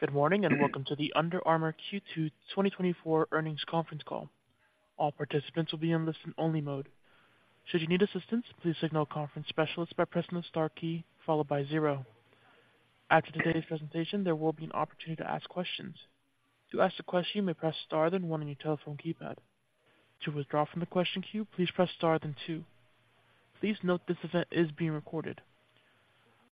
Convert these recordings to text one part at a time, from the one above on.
Good morning, and welcome to the Under Armour Q2 2024 Earnings Conference Call. All participants will be in listen-only mode. Should you need assistance, please signal a conference specialist by pressing the star key followed by zero. After today's presentation, there will be an opportunity to ask questions. To ask a question, you may press star, then one on your telephone keypad. To withdraw from the question queue, please press star, then two. Please note this event is being recorded.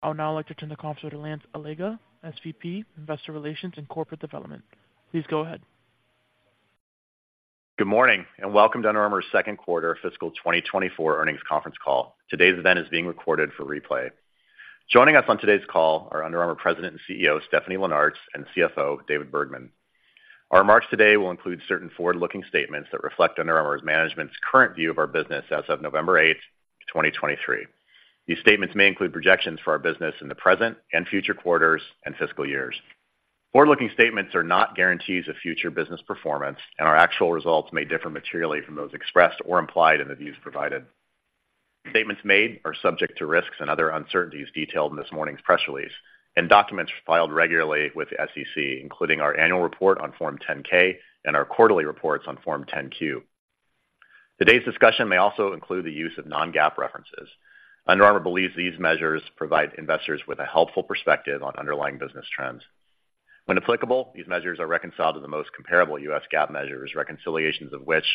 I would now like to turn the conference over to Lance Allega, SVP, Investor Relations and Corporate Development. Please go ahead. Good morning, and welcome to Under Armour's second quarter fiscal 2024 earnings conference call. Today's event is being recorded for replay. Joining us on today's call are Under Armour President and CEO, Stephanie Linnartz, and CFO, David Bergman. Our remarks today will include certain forward-looking statements that reflect Under Armour's management's current view of our business as of November 8, 2023. These statements may include projections for our business in the present and future quarters and fiscal years. Forward-looking statements are not guarantees of future business performance, and our actual results may differ materially from those expressed or implied in the views provided. Statements made are subject to risks and other uncertainties detailed in this morning's press release and documents filed regularly with the SEC, including our annual report on Form 10-K and our quarterly reports on Form 10-Q. Today's discussion may also include the use of non-GAAP references. Under Armour believes these measures provide investors with a helpful perspective on underlying business trends. When applicable, these measures are reconciled to the most comparable U.S. GAAP measures, reconciliations of which,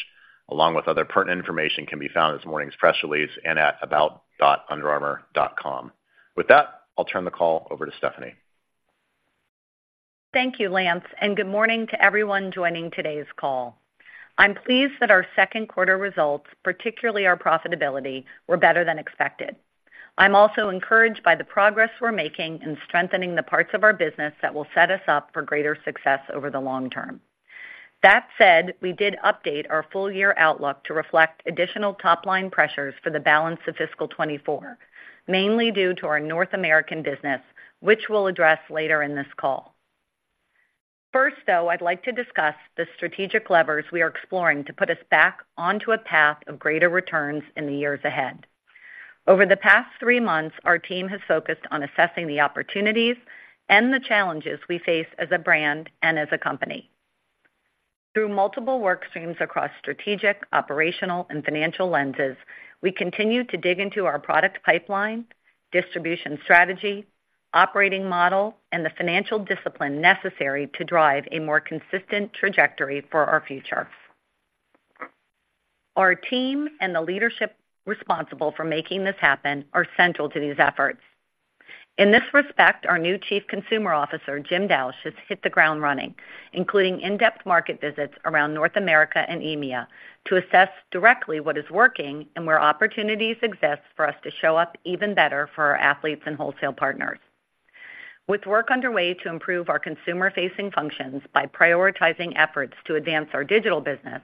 along with other pertinent information, can be found in this morning's press release and at about.underarmour.com. With that, I'll turn the call over to Stephanie. Thank you, Lance, and good morning to everyone joining today's call. I'm pleased that our second quarter results, particularly our profitability, were better than expected. I'm also encouraged by the progress we're making in strengthening the parts of our business that will set us up for greater success over the long term. That said, we did update our full-year outlook to reflect additional top-line pressures for the balance of fiscal 2024, mainly due to our North American business, which we'll address later in this call. First, though, I'd like to discuss the strategic levers we are exploring to put us back onto a path of greater returns in the years ahead. Over the past three months, our team has focused on assessing the opportunities and the challenges we face as a brand and as a company. Through multiple work streams across strategic, operational, and financial lenses, we continue to dig into our product pipeline, distribution strategy, operating model, and the financial discipline necessary to drive a more consistent trajectory for our future. Our team and the leadership responsible for making this happen are central to these efforts. In this respect, our new Chief Consumer Officer, Jim Dausch, has hit the ground running, including in-depth market visits around North America and EMEA, to assess directly what is working and where opportunities exist for us to show up even better for our athletes and wholesale partners. With work underway to improve our consumer-facing functions by prioritizing efforts to advance our digital business,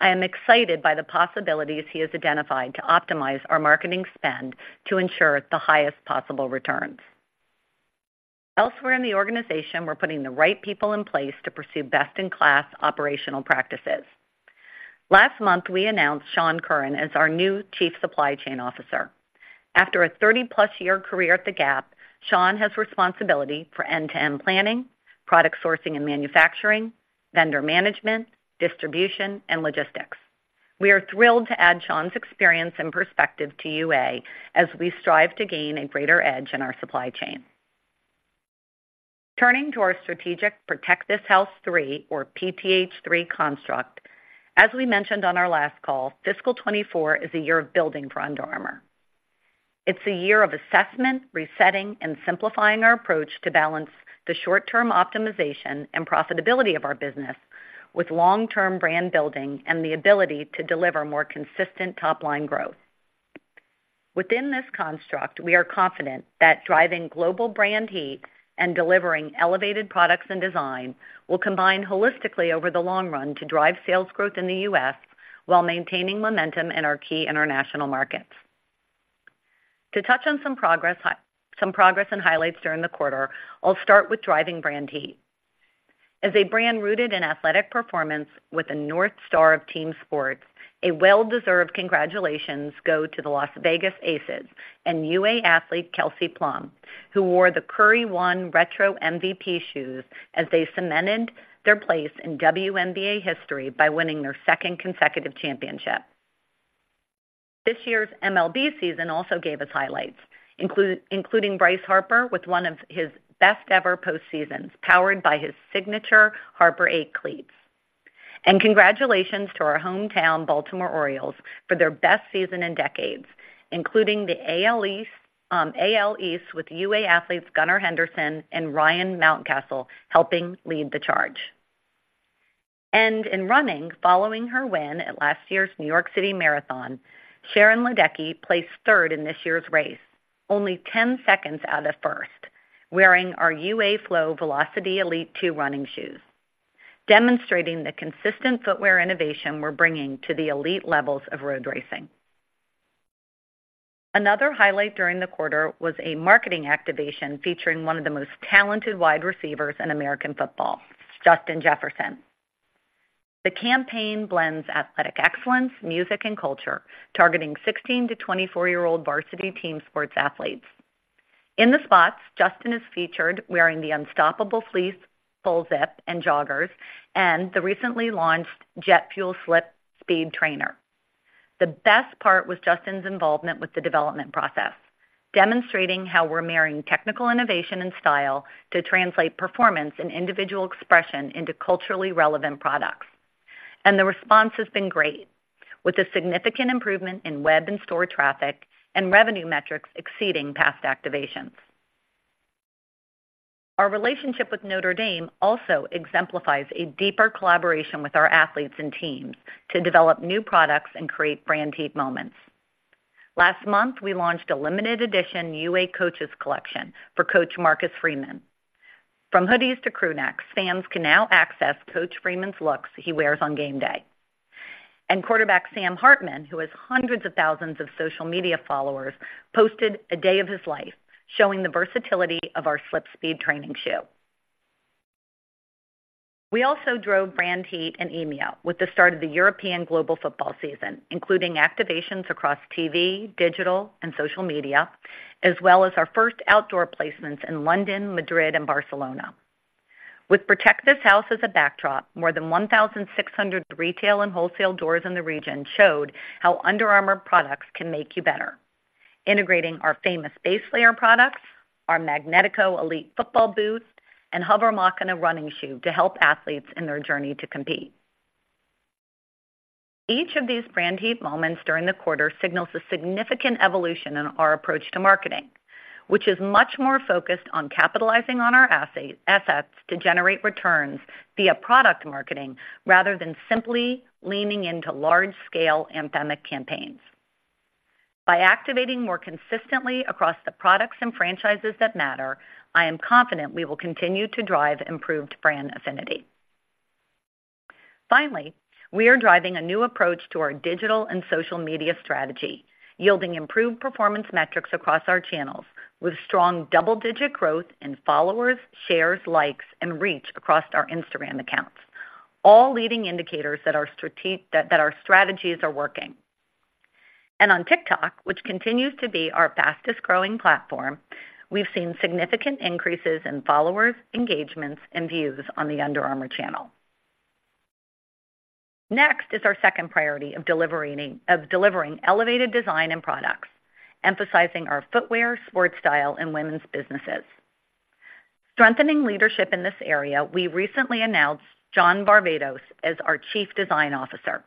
I am excited by the possibilities he has identified to optimize our marketing spend to ensure the highest possible returns. Elsewhere in the organization, we're putting the right people in place to pursue best-in-class operational practices. Last month, we announced Shawn Curran as our new Chief Supply Chain Officer. After a 30+-year career at the Gap, Shawn has responsibility for end-to-end planning, product sourcing and manufacturing, vendor management, distribution, and logistics. We are thrilled to add Shawn's experience and perspective to UA as we strive to gain a greater edge in our supply chain. Turning to our strategic Protect This House 3 or PTH3 construct, as we mentioned on our last call, fiscal 2024 is a year of building for Under Armour. It's a year of assessment, resetting, and simplifying our approach to balance the short-term optimization and profitability of our business with long-term brand building and the ability to deliver more consistent top-line growth. Within this construct, we are confident that driving global brand heat and delivering elevated products and design will combine holistically over the long run to drive sales growth in the U.S., while maintaining momentum in our key international markets. To touch on some progress and highlights during the quarter, I'll start with driving brand heat. As a brand rooted in athletic performance with the North Star of team sports, a well-deserved congratulations go to the Las Vegas Aces and UA athlete Kelsey Plum, who wore the Curry 1 Retro MVP shoes as they cemented their place in WNBA history by winning their second consecutive championship. This year's MLB season also gave us highlights, including Bryce Harper with one of his best-ever postseasons, powered by his signature Harper 8 cleats. Congratulations to our hometown Baltimore Orioles for their best season in decades, including the AL East, with UA athletes Gunnar Henderson and Ryan Mountcastle helping lead the charge. In running, following her win at last year's New York City Marathon, Sharon Lokedi placed third in this year's race, only ten seconds out of first, wearing our UA Flow Velociti Elite 2 running shoes, demonstrating the consistent footwear innovation we're bringing to the elite levels of road racing. Another highlight during the quarter was a marketing activation featuring one of the most talented wide receivers in American football, Justin Jefferson. The campaign blends athletic excellence, music, and culture, targeting 16- to 24-year-old varsity team sports athletes. In the spots, Justin is featured wearing the Unstoppable Fleece Full-Zip and Joggers, and the recently launched JetFuel SlipSpeed Trainer. The best part was Justin's involvement with the development process, demonstrating how we're marrying technical innovation and style to translate performance and individual expression into culturally relevant products. The response has been great, with a significant improvement in web and store traffic, and revenue metrics exceeding past activations. Our relationship with Notre Dame also exemplifies a deeper collaboration with our athletes and teams to develop new products and create brand heat moments. Last month, we launched a limited edition UA Coaches Collection for Coach Marcus Freeman. From hoodies to crew necks, fans can now access Coach Freeman's looks he wears on game day. Quarterback Sam Hartman, who has hundreds of thousands of social media followers, posted a day of his life, showing the versatility of our SlipSpeed training shoe. We also drove brand heat in EMEA with the start of the European global football season, including activations across TV, digital, and social media, as well as our first outdoor placements in London, Madrid, and Barcelona. With Protect This House as a backdrop, more than 1,600 retail and wholesale doors in the region showed how Under Armour products can make you better, integrating our famous base layer products, our Magnetico Elite football boots, and HOVR Machina running shoe to help athletes in their journey to compete. Each of these brand heat moments during the quarter signals a significant evolution in our approach to marketing, which is much more focused on capitalizing on our assets to generate returns via product marketing, rather than simply leaning into large-scale endemic campaigns. By activating more consistently across the products and franchises that matter, I am confident we will continue to drive improved brand affinity. Finally, we are driving a new approach to our digital and social media strategy, yielding improved performance metrics across our channels, with strong double-digit growth in followers, shares, likes, and reach across our Instagram accounts. All leading indicators that our strategies are working. And on TikTok, which continues to be our fastest-growing platform, we've seen significant increases in followers, engagements, and views on the Under Armour channel. Next is our second priority of delivering elevated design and products, emphasizing our footwear, sportstyle, and women's businesses. Strengthening leadership in this area, we recently announced John Varvatos as our Chief Design Officer.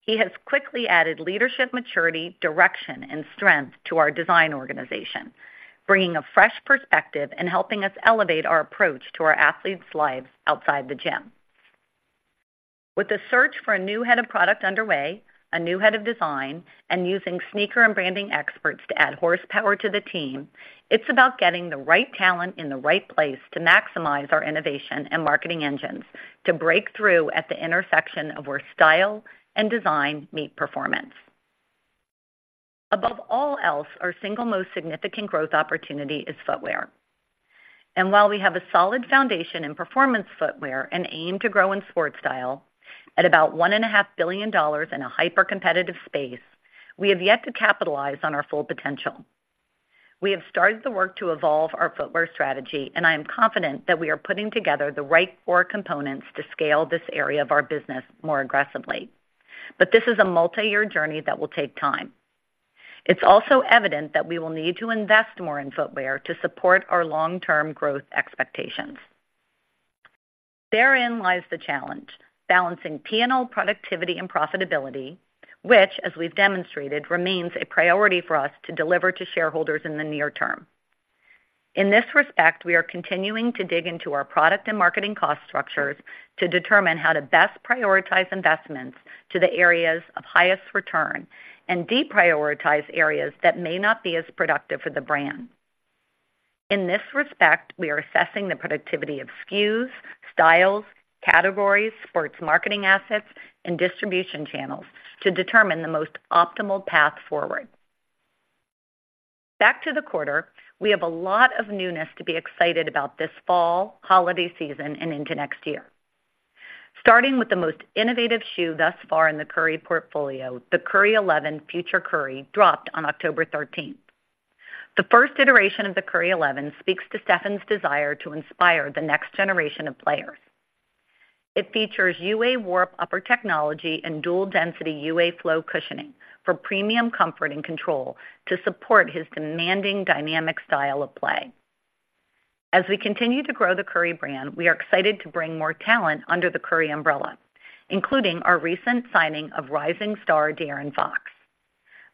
He has quickly added leadership, maturity, direction, and strength to our design organization, bringing a fresh perspective and helping us elevate our approach to our athletes' lives outside the gym. With the search for a new head of product underway, a new head of design, and using sneaker and branding experts to add horsepower to the team, it's about getting the right talent in the right place to maximize our innovation and marketing engines, to break through at the intersection of where style and design meet performance. Above all else, our single most significant growth opportunity is footwear. And while we have a solid foundation in performance footwear and aim to grow in sport style, at about $1.5 billion in a hyper-competitive space, we have yet to capitalize on our full potential. We have started the work to evolve our footwear strategy, and I am confident that we are putting together the right core components to scale this area of our business more aggressively. But this is a multi-year journey that will take time. It's also evident that we will need to invest more in footwear to support our long-term growth expectations. Therein lies the challenge: balancing P&L productivity and profitability, which, as we've demonstrated, remains a priority for us to deliver to shareholders in the near term. In this respect, we are continuing to dig into our product and marketing cost structures to determine how to best prioritize investments to the areas of highest return and deprioritize areas that may not be as productive for the brand. In this respect, we are assessing the productivity of SKUs, styles, categories, sports marketing assets, and distribution channels to determine the most optimal path forward. Back to the quarter, we have a lot of newness to be excited about this fall, holiday season, and into next year. Starting with the most innovative shoe thus far in the Curry portfolio, the Curry 11 Future Curry dropped on October 13th. The first iteration of the Curry 11 speaks to Stephen's desire to inspire the next generation of players. It features UA Warp upper technology and dual-density UA Flow cushioning for premium comfort and control to support his demanding, dynamic style of play. As we continue to grow the Curry Brand, we are excited to bring more talent under the Curry umbrella, including our recent signing of rising star De'Aaron Fox.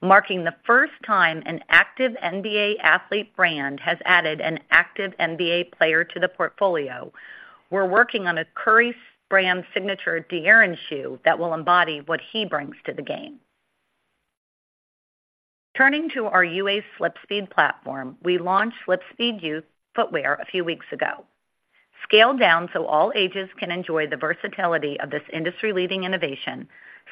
Marking the first time an active NBA athlete brand has added an active NBA player to the portfolio, we're working on a Curry Brand signature De'Aaron shoe that will embody what he brings to the game. Turning to our UA SlipSpeed platform, we launched SlipSpeed Youth footwear a few weeks ago. Scaled down so all ages can enjoy the versatility of this industry-leading innovation,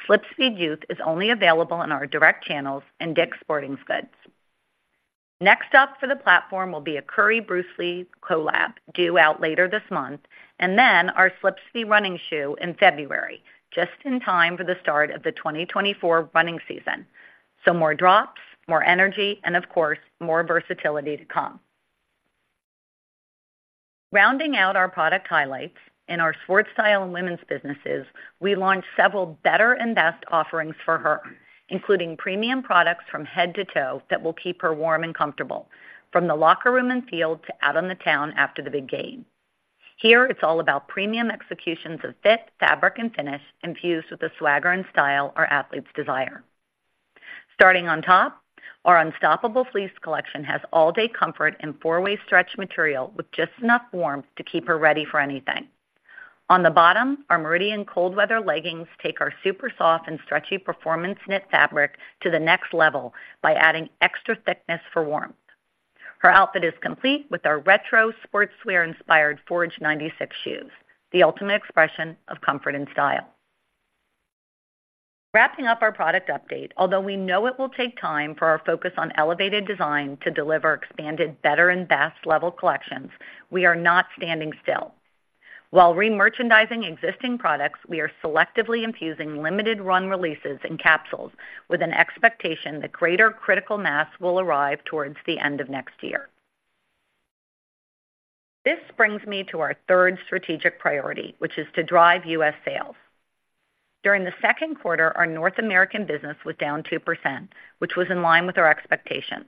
SlipSpeed Youth is only available in our direct channels and Dick's Sporting Goods. Next up for the platform will be a Curry-Bruce Lee collab, due out later this month, and then our SlipSpeed running shoe in February, just in time for the start of the 2024 running season. So more drops, more energy, and of course, more versatility to come. Rounding out our product highlights, in our sportstyle and women's businesses, we launched several better and best offerings for her, including premium products from head to toe that will keep her warm and comfortable, from the locker room and field to out on the town after the big game. Here, it's all about premium executions of fit, fabric, and finish, infused with the swagger and style our athletes desire. Starting on top, our Unstoppable Fleece collection has all-day comfort and four-way stretch material with just enough warmth to keep her ready for anything. On the bottom, our Meridian cold weather leggings take our super soft and stretchy performance knit fabric to the next level by adding extra thickness for warmth. Her outfit is complete with our retro sportswear-inspired Forge 96 shoes, the ultimate expression of comfort and style. Wrapping up our product update, although we know it will take time for our focus on elevated design to deliver expanded better and best level collections, we are not standing still. While remerchandising existing products, we are selectively infusing limited run releases and capsules with an expectation that greater critical mass will arrive towards the end of next year. This brings me to our third strategic priority, which is to drive U.S. sales. During the second quarter, our North American business was down 2%, which was in line with our expectations.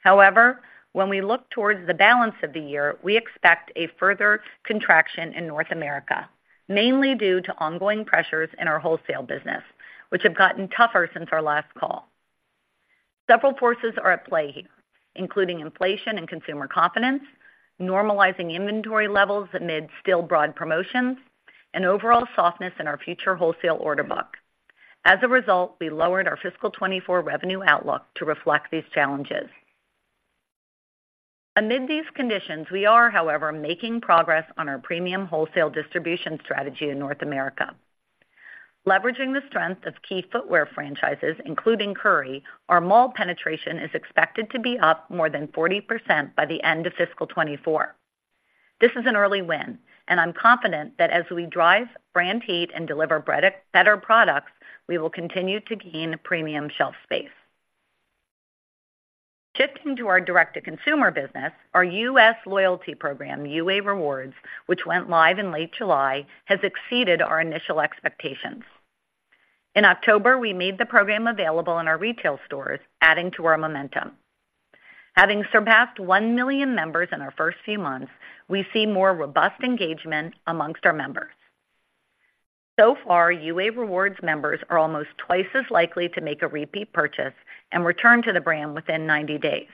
However, when we look towards the balance of the year, we expect a further contraction in North America, mainly due to ongoing pressures in our wholesale business, which have gotten tougher since our last call. Several forces are at play here, including inflation and consumer confidence, normalizing inventory levels amid still broad promotions, and overall softness in our future wholesale order book. As a result, we lowered our fiscal 2024 revenue outlook to reflect these challenges. Amid these conditions, we are, however, making progress on our premium wholesale distribution strategy in North America. Leveraging the strength of key footwear franchises, including Curry, our mall penetration is expected to be up more than 40% by the end of fiscal 2024. This is an early win, and I'm confident that as we drive brand heat and deliver better products, we will continue to gain premium shelf space. Shifting to our direct-to-consumer business, our U.S. loyalty program, UA Rewards, which went live in late July, has exceeded our initial expectations. In October, we made the program available in our retail stores, adding to our momentum. Having surpassed 1 million members in our first few months, we see more robust engagement among our members. So far, UA Rewards members are almost twice as likely to make a repeat purchase and return to the brand within 90 days.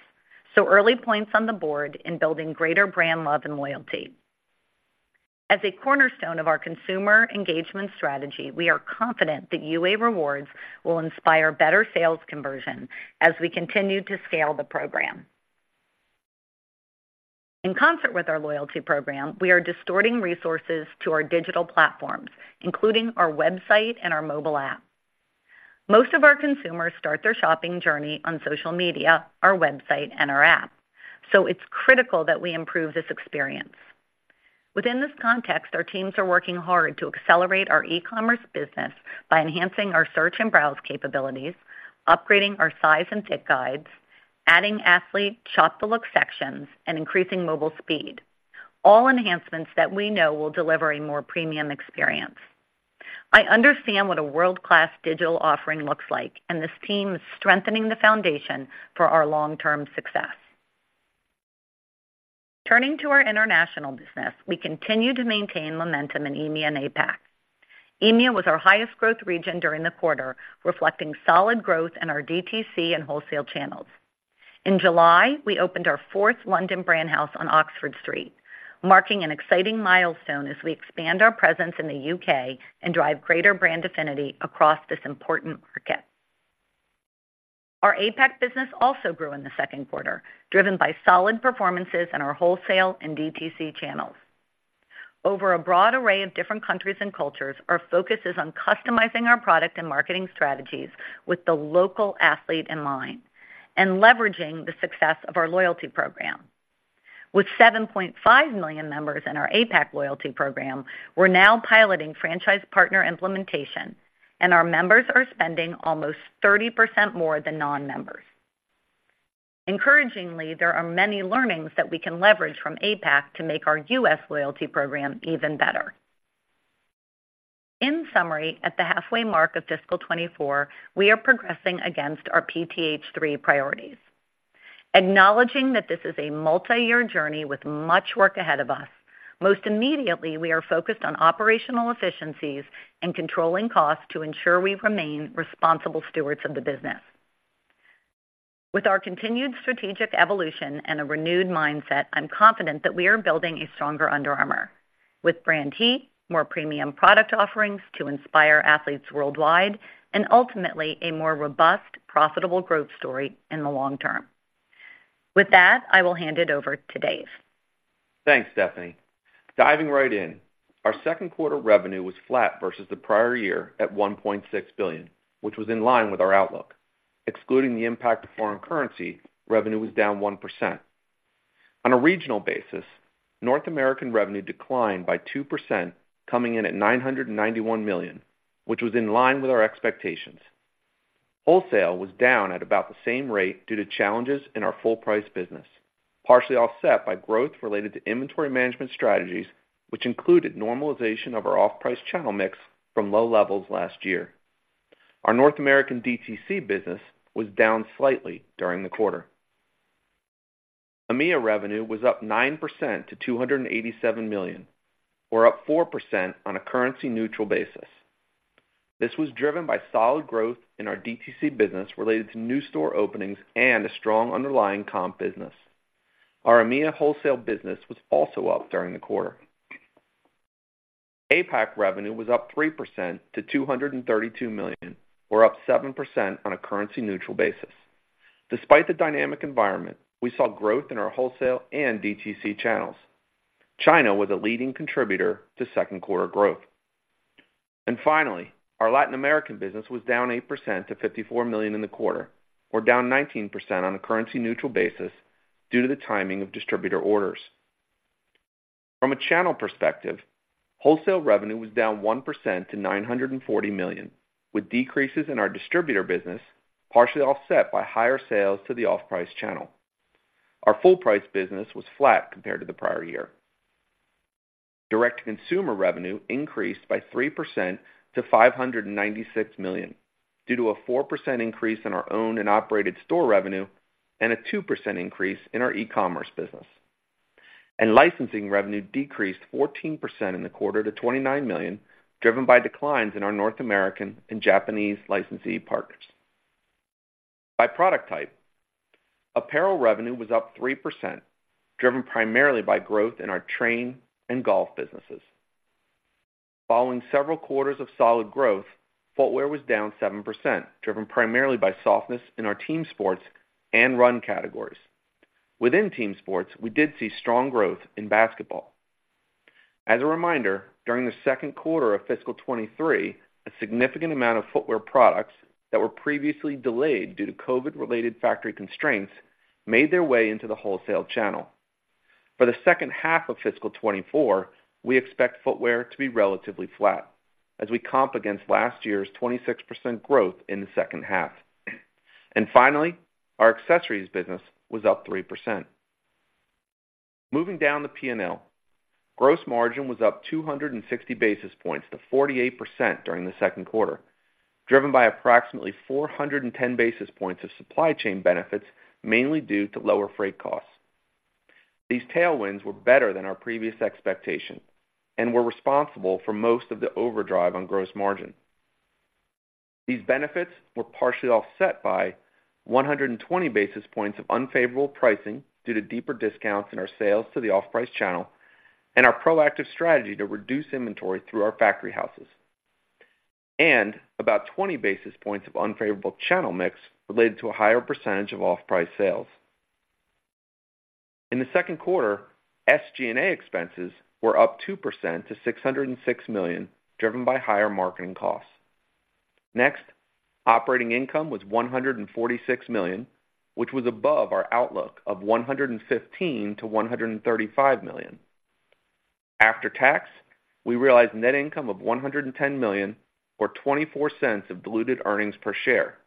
So early points on the board in building greater brand love and loyalty. As a cornerstone of our consumer engagement strategy, we are confident that UA Rewards will inspire better sales conversion as we continue to scale the program. In concert with our loyalty program, we are directing resources to our digital platforms, including our website and our mobile app. Most of our consumers start their shopping journey on social media, our website, and our app, so it's critical that we improve this experience. Within this context, our teams are working hard to accelerate our e-commerce business by enhancing our search and browse capabilities, upgrading our size and fit guides, adding athlete Shop the Look sections, and increasing mobile speed, all enhancements that we know will deliver a more premium experience. I understand what a world-class digital offering looks like, and this team is strengthening the foundation for our long-term success. Turning to our international business, we continue to maintain momentum in EMEA and APAC. EMEA was our highest growth region during the quarter, reflecting solid growth in our DTC and wholesale channels. In July, we opened our fourth London Brand House on Oxford Street, marking an exciting milestone as we expand our presence in the UK and drive greater brand affinity across this important market. Our APAC business also grew in the second quarter, driven by solid performances in our wholesale and DTC channels. Over a broad array of different countries and cultures, our focus is on customizing our product and marketing strategies with the local athlete in mind and leveraging the success of our loyalty program. With 7.5 million members in our APAC loyalty program, we're now piloting franchise partner implementation, and our members are spending almost 30% more than non-members. Encouragingly, there are many learnings that we can leverage from APAC to make our U.S. loyalty program even better. In summary, at the halfway mark of fiscal 2024, we are progressing against our PTH3 priorities. Acknowledging that this is a multi-year journey with much work ahead of us, most immediately, we are focused on operational efficiencies and controlling costs to ensure we remain responsible stewards of the business. With our continued strategic evolution and a renewed mindset, I'm confident that we are building a stronger Under Armour with brand heat, more premium product offerings to inspire athletes worldwide, and ultimately, a more robust, profitable growth story in the long term. With that, I will hand it over to Dave.... Thanks, Stephanie. Diving right in, our second quarter revenue was flat versus the prior year at $1.6 billion, which was in line with our outlook. Excluding the impact of foreign currency, revenue was down 1%. On a regional basis, North America revenue declined by 2%, coming in at $991 million, which was in line with our expectations. Wholesale was down at about the same rate due to challenges in our full price business, partially offset by growth related to inventory management strategies, which included normalization of our off-price channel mix from low levels last year. Our North America DTC business was down slightly during the quarter. EMEA revenue was up 9% to $287 million, or up 4% on a currency-neutral basis. This was driven by solid growth in our DTC business related to new store openings and a strong underlying comp business. Our EMEA wholesale business was also up during the quarter. APAC revenue was up 3% to $232 million, or up 7% on a currency-neutral basis. Despite the dynamic environment, we saw growth in our wholesale and DTC channels. China was a leading contributor to second quarter growth. Finally, our Latin American business was down 8% to $54 million in the quarter, or down 19% on a currency-neutral basis due to the timing of distributor orders. From a channel perspective, wholesale revenue was down 1% to $940 million, with decreases in our distributor business, partially offset by higher sales to the off-price channel. Our full price business was flat compared to the prior year. Direct-to-consumer revenue increased by 3% to $596 million, due to a 4% increase in our own and operated store revenue and a 2% increase in our e-commerce business. Licensing revenue decreased 14% in the quarter to $29 million, driven by declines in our North American and Japanese licensee partners. By product type, apparel revenue was up 3%, driven primarily by growth in our train and golf businesses. Following several quarters of solid growth, footwear was down 7%, driven primarily by softness in our team sports and run categories. Within team sports, we did see strong growth in basketball. As a reminder, during the second quarter of fiscal 2023, a significant amount of footwear products that were previously delayed due to COVID-related factory constraints made their way into the wholesale channel. For the second half of fiscal 2024, we expect footwear to be relatively flat as we comp against last year's 26% growth in the second half. And finally, our accessories business was up 3%. Moving down the P&L, gross margin was up 260 basis points to 48% during the second quarter, driven by approximately 410 basis points of supply chain benefits, mainly due to lower freight costs. These tailwinds were better than our previous expectation and were responsible for most of the overdrive on gross margin. These benefits were partially offset by 120 basis points of unfavorable pricing due to deeper discounts in our sales to the Off-price channel and our proactive strategy to reduce inventory through our Factory Houses, and about 20 basis points of unfavorable channel mix related to a higher percentage of Off-price sales. In the second quarter, SG&A expenses were up 2% to $606 million, driven by higher marketing costs. Next, operating income was $146 million, which was above our outlook of $115 million-$135 million. After tax, we realized net income of $110 million or $0.24 of diluted earnings per share,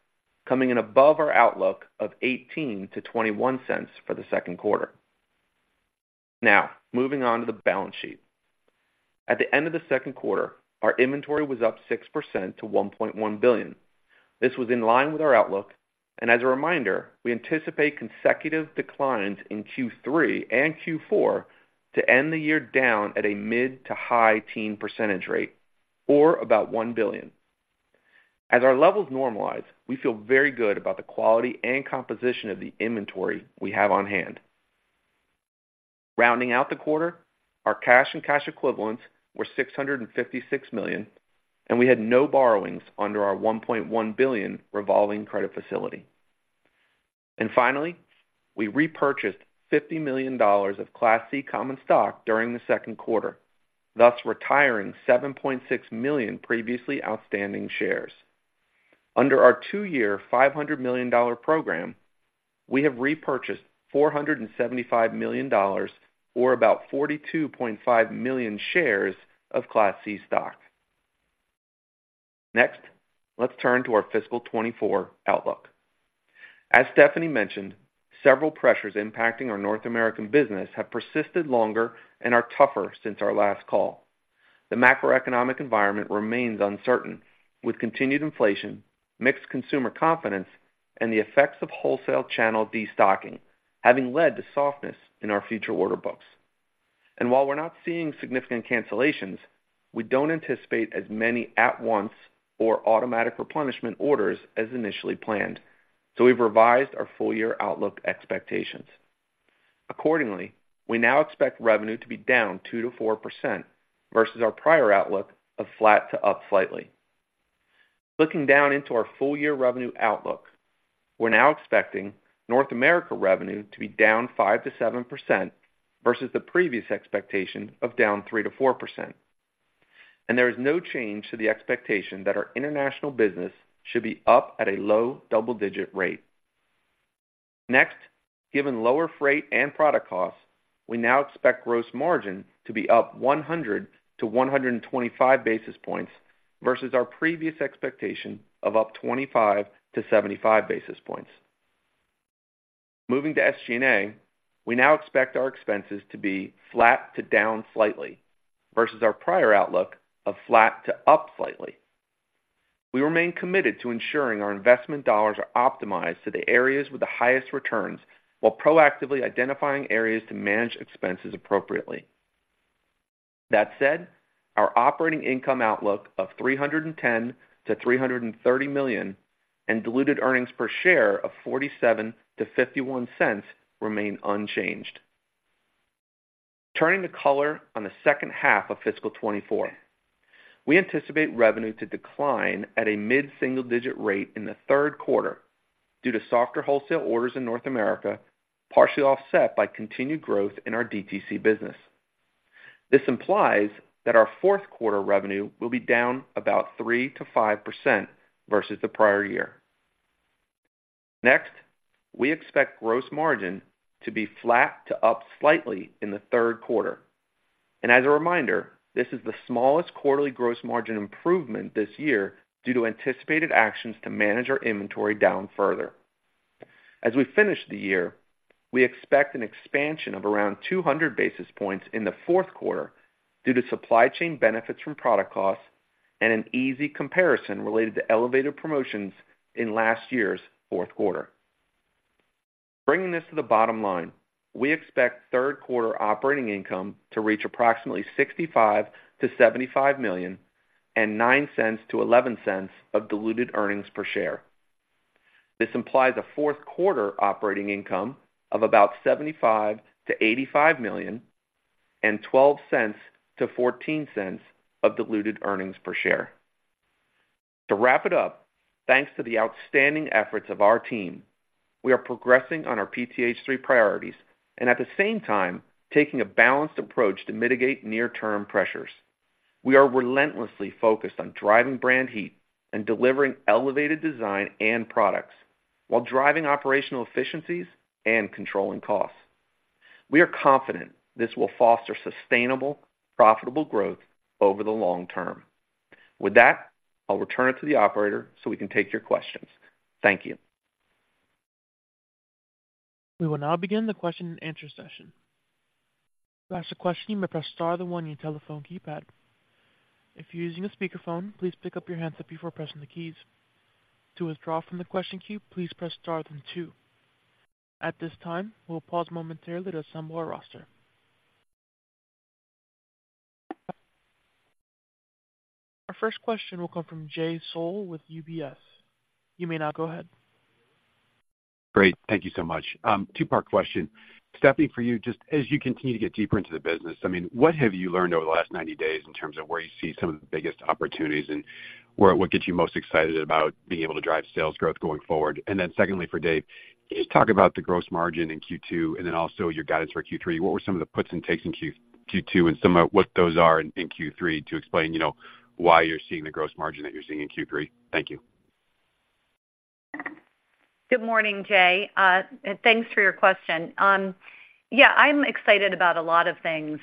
coming in above our outlook of $0.18-$0.21 for the second quarter. Now, moving on to the balance sheet. At the end of the second quarter, our inventory was up 6% to $1.1 billion. This was in line with our outlook, and as a reminder, we anticipate consecutive declines in Q3 and Q4 to end the year down at a mid- to high-teens percentage rate, or about $1 billion. As our levels normalize, we feel very good about the quality and composition of the inventory we have on hand. Rounding out the quarter, our cash and cash equivalents were $656 million, and we had no borrowings under our $1.1 billion revolving credit facility. Finally, we repurchased $50 million of Class C common stock during the second quarter, thus retiring 7.6 million previously outstanding shares. Under our 2-year, $500 million program, we have repurchased $475 million, or about 42.5 million shares of Class C stock. Next, let's turn to our fiscal 2024 outlook. As Stephanie mentioned, several pressures impacting our North American business have persisted longer and are tougher since our last call. The macroeconomic environment remains uncertain, with continued inflation, mixed consumer confidence, and the effects of wholesale channel destocking, having led to softness in our future order books. While we're not seeing significant cancellations, we don't anticipate as many at-once or automatic replenishment orders as initially planned, so we've revised our full year outlook expectations. Accordingly, we now expect revenue to be down 2%-4% versus our prior outlook of flat to up slightly.... Looking down into our full year revenue outlook, we're now expecting North America revenue to be down 5%-7% versus the previous expectation of down 3%-4%. There is no change to the expectation that our international business should be up at a low double-digit rate. Next, given lower freight and product costs, we now expect gross margin to be up 100-125 basis points versus our previous expectation of up 25-75 basis points. Moving to SG&A, we now expect our expenses to be flat to down slightly versus our prior outlook of flat to up slightly. We remain committed to ensuring our investment dollars are optimized to the areas with the highest returns, while proactively identifying areas to manage expenses appropriately. That said, our operating income outlook of $310 million-$330 million and diluted earnings per share of $0.47-$0.51 remain unchanged. Turning to color on the second half of fiscal 2024. We anticipate revenue to decline at a mid-single digit rate in the third quarter due to softer wholesale orders in North America, partially offset by continued growth in our DTC business. This implies that our fourth quarter revenue will be down about 3%-5% versus the prior year. Next, we expect gross margin to be flat to up slightly in the third quarter. As a reminder, this is the smallest quarterly gross margin improvement this year due to anticipated actions to manage our inventory down further. As we finish the year, we expect an expansion of around 200 basis points in the fourth quarter due to supply chain benefits from product costs and an easy comparison related to elevated promotions in last year's fourth quarter. Bringing this to the bottom line, we expect third quarter operating income to reach approximately $65 million-$75 million and $0.09-$0.11 of diluted earnings per share. This implies a fourth quarter operating income of about $75 million-$85 million and $0.12-$0.14 of diluted earnings per share. To wrap it up, thanks to the outstanding efforts of our team, we are progressing on our PTH3 priorities and at the same time taking a balanced approach to mitigate near-term pressures. We are relentlessly focused on driving brand heat and delivering elevated design and products, while driving operational efficiencies and controlling costs. We are confident this will foster sustainable, profitable growth over the long term. With that, I'll return it to the operator so we can take your questions. Thank you. We will now begin the question and answer session. To ask a question, you may press star then one on your telephone keypad. If you're using a speakerphone, please pick up your handset before pressing the keys. To withdraw from the question queue, please press star then two. At this time, we'll pause momentarily to assemble our roster. Our first question will come from Jay Sole with UBS. You may now go ahead. Great. Thank you so much. Two-part question. Stephanie, for you, just as you continue to get deeper into the business, I mean, what have you learned over the last 90 days in terms of where you see some of the biggest opportunities and where, what gets you most excited about being able to drive sales growth going forward? And then secondly, for Dave, can you just talk about the gross margin in Q2 and then also your guidance for Q3? What were some of the puts and takes in Q2 and some of what those are in Q3 to explain, you know, why you're seeing the gross margin that you're seeing in Q3? Thank you. Good morning, Jay, and thanks for your question. Yeah, I'm excited about a lot of things,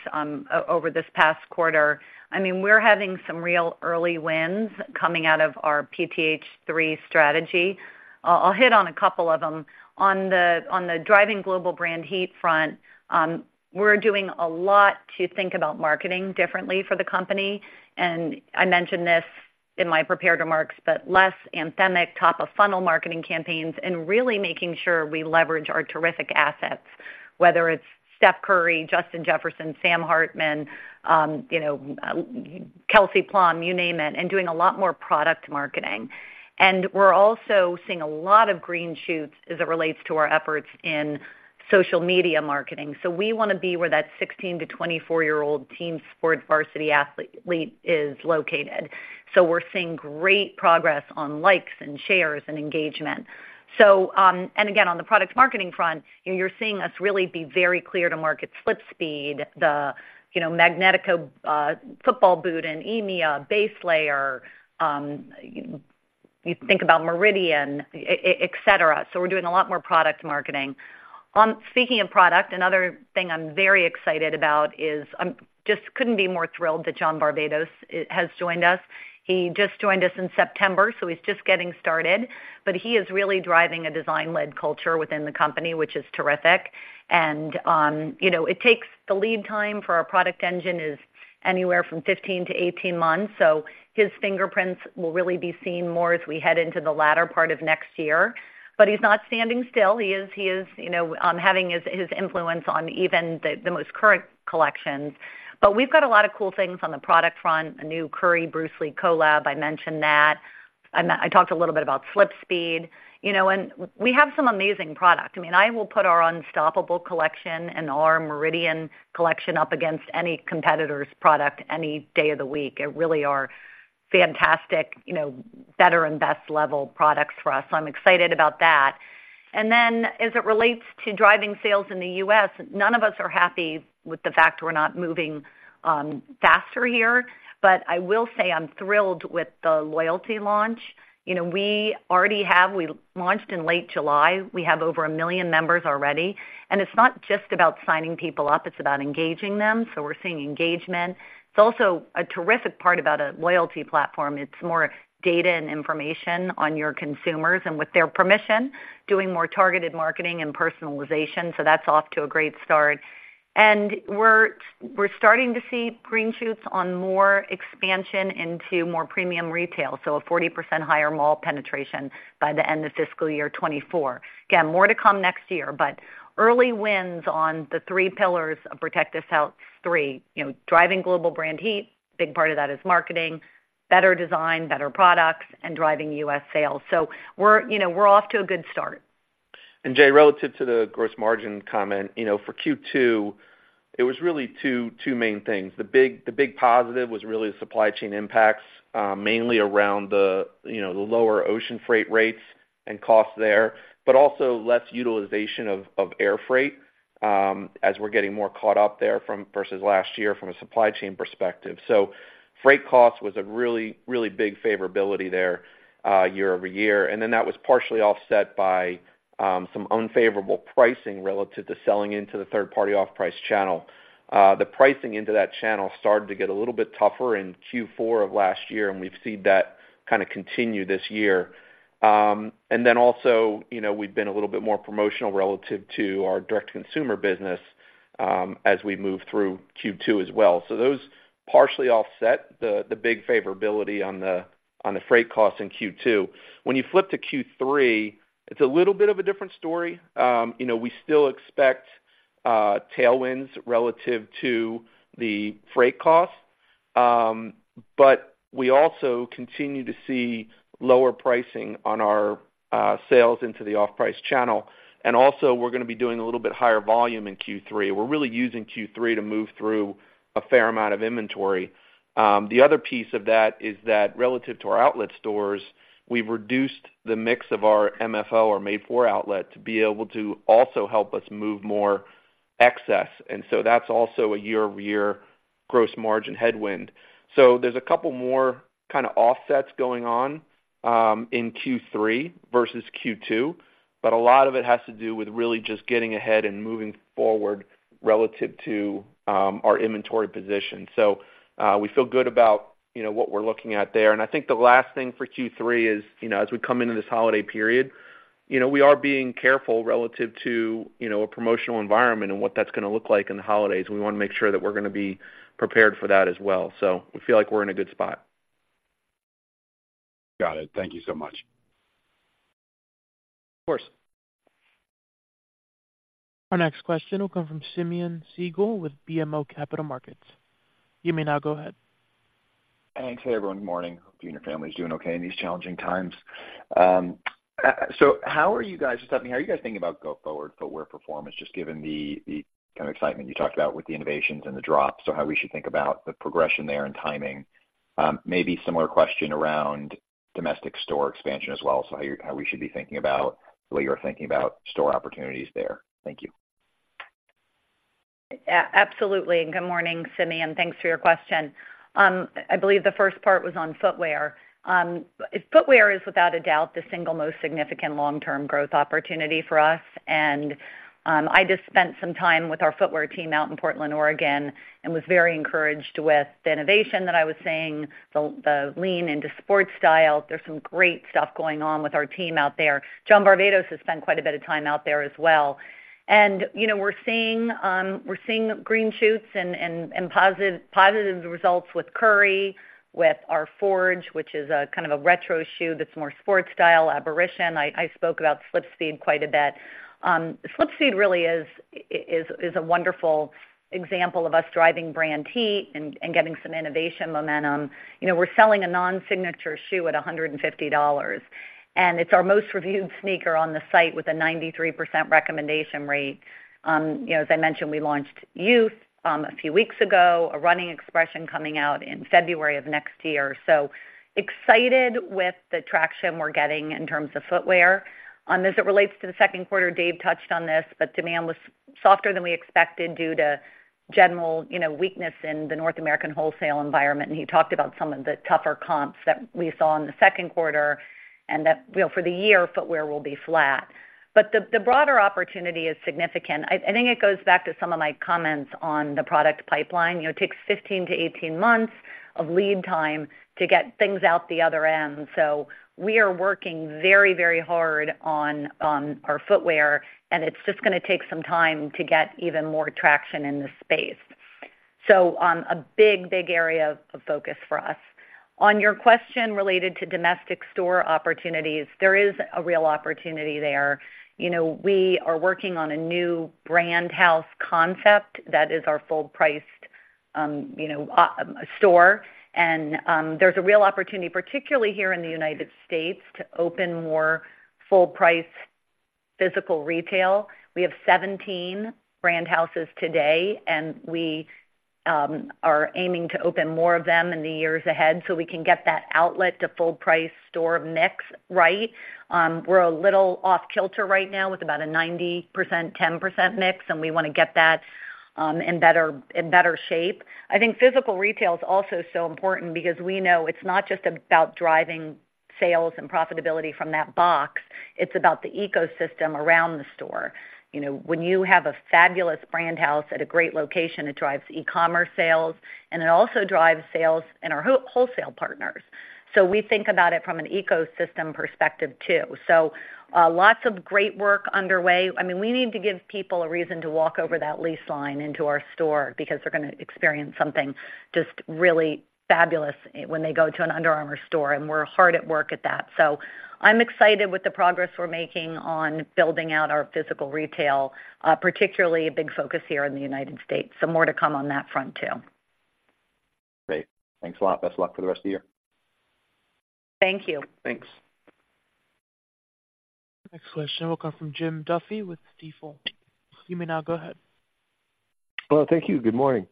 over this past quarter. I mean, we're having some real early wins coming out of our PTH3 strategy. I'll hit on a couple of them. On the driving global brand heat front, we're doing a lot to think about marketing differently for the company. And I mentioned this in my prepared remarks, but less anthemic top of funnel marketing campaigns and really making sure we leverage our terrific assets, whether it's Steph Curry, Justin Jefferson, Sam Hartman, you name it, and doing a lot more product marketing. And we're also seeing a lot of green shoots as it relates to our efforts in social media marketing. So we want to be where that 16- to 24-year-old team sport varsity athlete is located. So we're seeing great progress on likes and shares and engagement. So, and again, on the product marketing front, you're seeing us really be very clear to market SlipSpeed, the, you know, Magnetico, football boot in EMEA, Base Layer, you think about Meridian, et cetera. So we're doing a lot more product marketing. Speaking of product, another thing I'm very excited about is I just couldn't be more thrilled that John Varvatos has joined us. He just joined us in September, so he's just getting started, but he is really driving a design-led culture within the company, which is terrific. You know, it takes the lead time for our product engine is anywhere from 15-18 months, so his fingerprints will really be seen more as we head into the latter part of next year. But he's not standing still. He is, he is, you know, having his, his influence on even the, the most current collections. But we've got a lot of cool things on the product front, a new Curry Bruce Lee collab. I mentioned that. I talked a little bit about SlipSpeed, you know, and we have some amazing product. I mean, I will put our Unstoppable collection and our Meridian collection up against any competitor's product any day of the week. It really are fantastic, you know, better and best level products for us. So I'm excited about that. And then as it relates to driving sales in the U.S., none of us are happy with the fact we're not moving faster here. But I will say I'm thrilled with the loyalty launch. You know, we already have—we launched in late July. We have over 1 million members already, and it's not just about signing people up, it's about engaging them. So we're seeing engagement. It's also a terrific part about a loyalty platform. It's more data and information on your consumers and with their permission, doing more targeted marketing and personalization. So that's off to a great start. And we're starting to see green shoots on more expansion into more premium retail, so a 40% higher mall penetration by the end of fiscal year 2024. Again, more to come next year, but early wins on the three pillars of Protect This House 3, you know, driving global brand heat, big part of that is marketing, better design, better products, and driving U.S. sales. So we're, you know, we're off to a good start. Jay, relative to the gross margin comment, you know, for Q2, it was really 2, 2 main things. The big, the big positive was really the supply chain impacts, mainly around the, you know, the lower ocean freight rates and costs there, but also less utilization of air freight as we're getting more caught up there from versus last year from a supply chain perspective. So freight cost was a really, really big favorability there year-over-year. And then that was partially offset by some unfavorable pricing relative to selling into the third-party off-price channel. The pricing into that channel started to get a little bit tougher in Q4 of last year, and we've seen that kind of continue this year. And then also, you know, we've been a little bit more promotional relative to our direct consumer business, as we move through Q2 as well. So those partially offset the big favorability on the freight costs in Q2. When you flip to Q3, it's a little bit of a different story. You know, we still expect tailwinds relative to the freight costs, but we also continue to see lower pricing on our sales into the off-price channel. And also, we're gonna be doing a little bit higher volume in Q3. We're really using Q3 to move through a fair amount of inventory. The other piece of that is that relative to our outlet stores, we've reduced the mix of our MFO, or made for outlet, to be able to also help us move more excess, and so that's also a year-over-year gross margin headwind. So there's a couple more kind of offsets going on in Q3 versus Q2, but a lot of it has to do with really just getting ahead and moving forward relative to our inventory position. So we feel good about, you know, what we're looking at there. And I think the last thing for Q3 is, you know, as we come into this holiday period, you know, we are being careful relative to, you know, a promotional environment and what that's gonna look like in the holidays. We wanna make sure that we're gonna be prepared for that as well. We feel like we're in a good spot. Got it. Thank you so much. Of course. Our next question will come from Simeon Siegel with BMO Capital Markets. You may now go ahead. Thanks. Hey, everyone, good morning. Hope you and your family is doing okay in these challenging times. So how are you guys... How are you guys thinking about go forward footwear performance, just given the, the kind of excitement you talked about with the innovations and the drops, so how we should think about the progression there and timing? Maybe similar question around domestic store expansion as well. So how are you, how we should be thinking about what you're thinking about store opportunities there? Thank you. Absolutely. Good morning, Simeon, thanks for your question. I believe the first part was on footwear. Footwear is, without a doubt, the single most significant long-term growth opportunity for us. And, I just spent some time with our footwear team out in Portland, Oregon, and was very encouraged with the innovation that I was seeing, the lean into sports style. There's some great stuff going on with our team out there. John Varvatos has spent quite a bit of time out there as well. And, you know, we're seeing green shoots and positive results with Curry, with our Forge, which is a kind of a retro shoe that's more sports style, inspiration. I spoke about Slipstream quite a bit. Slipstream really is a wonderful example of us driving brand heat and getting some innovation momentum. You know, we're selling a non-signature shoe at $150, and it's our most reviewed sneaker on the site with a 93% recommendation rate. You know, as I mentioned, we launched Youth a few weeks ago, a running expression coming out in February of next year. So excited with the traction we're getting in terms of footwear. As it relates to the second quarter, Dave touched on this, but demand was softer than we expected due to general, you know, weakness in the North American wholesale environment, and he talked about some of the tougher comps that we saw in the second quarter and that, you know, for the year, footwear will be flat. But the broader opportunity is significant. I think it goes back to some of my comments on the product pipeline. You know, it takes 15-18 months of lead time to get things out the other end. So we are working very, very hard on our footwear, and it's just gonna take some time to get even more traction in this space. So a big, big area of focus for us. On your question related to domestic store opportunities, there is a real opportunity there. You know, we are working on a new Brand House concept that is our full-price, you know, store. And there's a real opportunity, particularly here in the United States, to open more full price physical retail. We have 17 Brand houses today, and we are aiming to open more of them in the years ahead so we can get that outlet to full price store mix right. We're a little off kilter right now with about a 90%, 10% mix, and we wanna get that in better shape. I think physical retail is also so important because we know it's not just about driving sales and profitability from that box, it's about the ecosystem around the store. You know, when you have a fabulous brand house at a great location, it drives e-commerce sales, and it also drives sales in our wholesale partners. So we think about it from an ecosystem perspective, too. So, lots of great work underway. I mean, we need to give people a reason to walk over that lease line into our store, because they're gonna experience something just really fabulous when they go to an Under Armour store, and we're hard at work at that. So I'm excited with the progress we're making on building out our physical retail, particularly a big focus here in the United States. So more to come on that front, too. Great. Thanks a lot. Best of luck for the rest of the year. Thank you. Thanks. Next question will come from Jim Duffy with Stifel. You may now go ahead. Well, thank you. Good morning.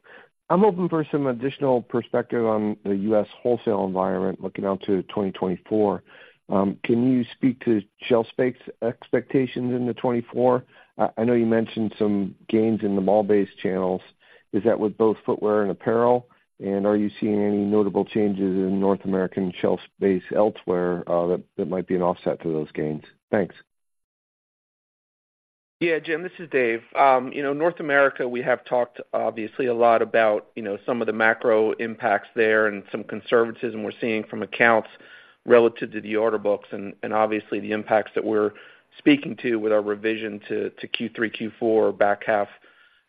I'm hoping for some additional perspective on the U.S. wholesale environment looking out to 2024. Can you speak to shelf space expectations into 2024? I know you mentioned some gains in the mall-based channels. Is that with both footwear and apparel? And are you seeing any notable changes in North American shelf space elsewhere, that might be an offset to those gains? Thanks. Yeah, Jim, this is Dave. You know, North America, we have talked obviously a lot about, you know, some of the macro impacts there and some conservatism we're seeing from accounts relative to the order books and, and obviously, the impacts that we're speaking to with our revision to, to Q3, Q4 back half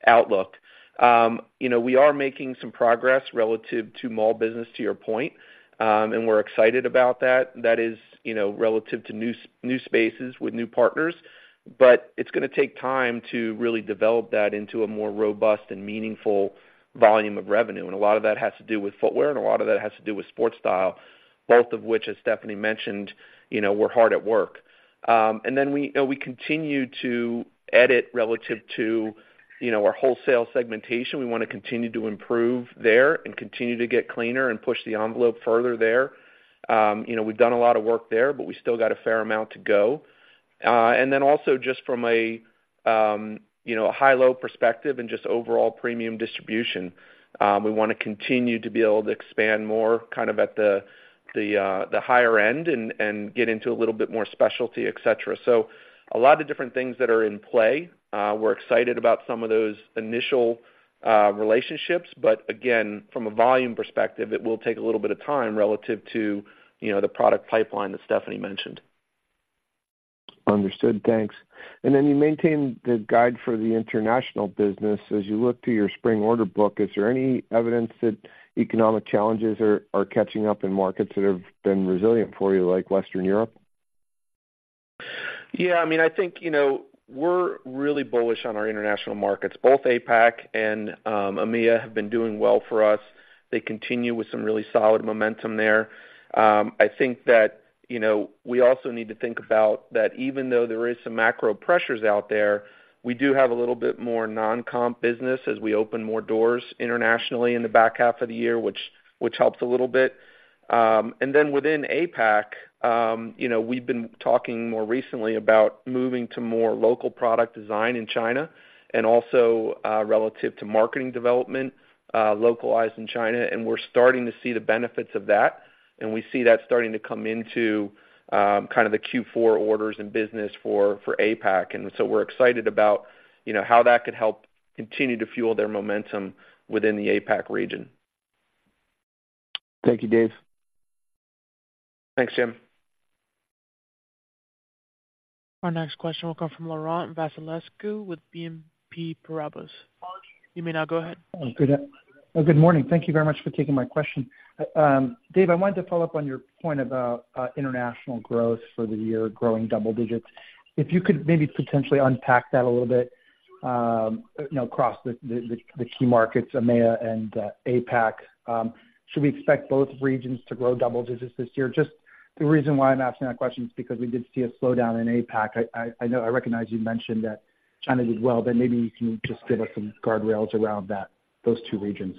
outlook. You know, we are making some progress relative to mall business, to your point, and we're excited about that. That is, you know, relative to new spaces with new partners, but it's gonna take time to really develop that into a more robust and meaningful volume of revenue. And a lot of that has to do with footwear, and a lot of that has to do with sports style, both of which, as Stephanie mentioned, you know, we're hard at work. And then we, you know, we continue to edit relative to, you know, our wholesale segmentation. We wanna continue to improve there and continue to get cleaner and push the envelope further there. You know, we've done a lot of work there, but we still got a fair amount to go. And then also just from a, you know, a high-low perspective and just overall premium distribution, we wanna continue to be able to expand more kind of at the, the, the higher end and, and get into a little bit more specialty, et cetera. So a lot of different things that are in play. We're excited about some of those initial relationships, but again, from a volume perspective, it will take a little bit of time relative to, you know, the product pipeline that Stephanie mentioned. Understood. Thanks. And then you maintained the guide for the international business. As you look to your spring order book, is there any evidence that economic challenges are catching up in markets that have been resilient for you, like Western Europe? Yeah, I mean, I think, you know, we're really bullish on our international markets. Both APAC and EMEA have been doing well for us. They continue with some really solid momentum there. I think that, you know, we also need to think about that even though there is some macro pressures out there, we do have a little bit more non-comp business as we open more doors internationally in the back half of the year, which helps a little bit. And then within APAC, you know, we've been talking more recently about moving to more local product design in China and also relative to marketing development localized in China, and we're starting to see the benefits of that, and we see that starting to come into kind of the Q4 orders and business for APAC. We're excited about, you know, how that could help continue to fuel their momentum within the APAC region. Thank you, Dave. Thanks, Jim. Our next question will come from Laurent Vasilescu with BNP Paribas. You may now go ahead. Good aft- Oh, good morning. Thank you very much for taking my question. Dave, I wanted to follow up on your point about international growth for the year, growing double digits. If you could maybe potentially unpack that a little bit, you know, across the key markets, EMEA and APAC. Should we expect both regions to grow double digits this year? Just the reason why I'm asking that question is because we did see a slowdown in APAC. I know. I recognize you mentioned that China did well, but maybe you can just give us some guardrails around that, those two regions.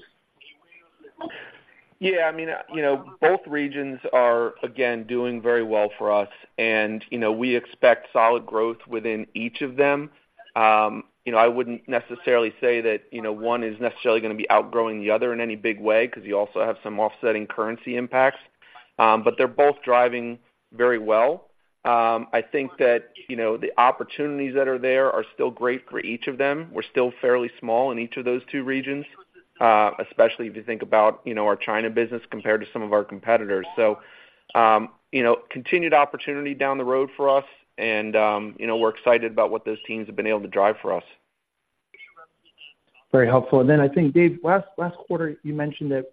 Yeah, I mean, you know, both regions are, again, doing very well for us, and, you know, we expect solid growth within each of them. You know, I wouldn't necessarily say that, you know, one is necessarily gonna be outgrowing the other in any big way, 'cause you also have some offsetting currency impacts, but they're both driving very well. I think that, you know, the opportunities that are there are still great for each of them. We're still fairly small in each of those two regions, especially if you think about, you know, our China business compared to some of our competitors. So, you know, continued opportunity down the road for us and, you know, we're excited about what those teams have been able to drive for us. Very helpful. And then I think, Dave, last, last quarter, you mentioned that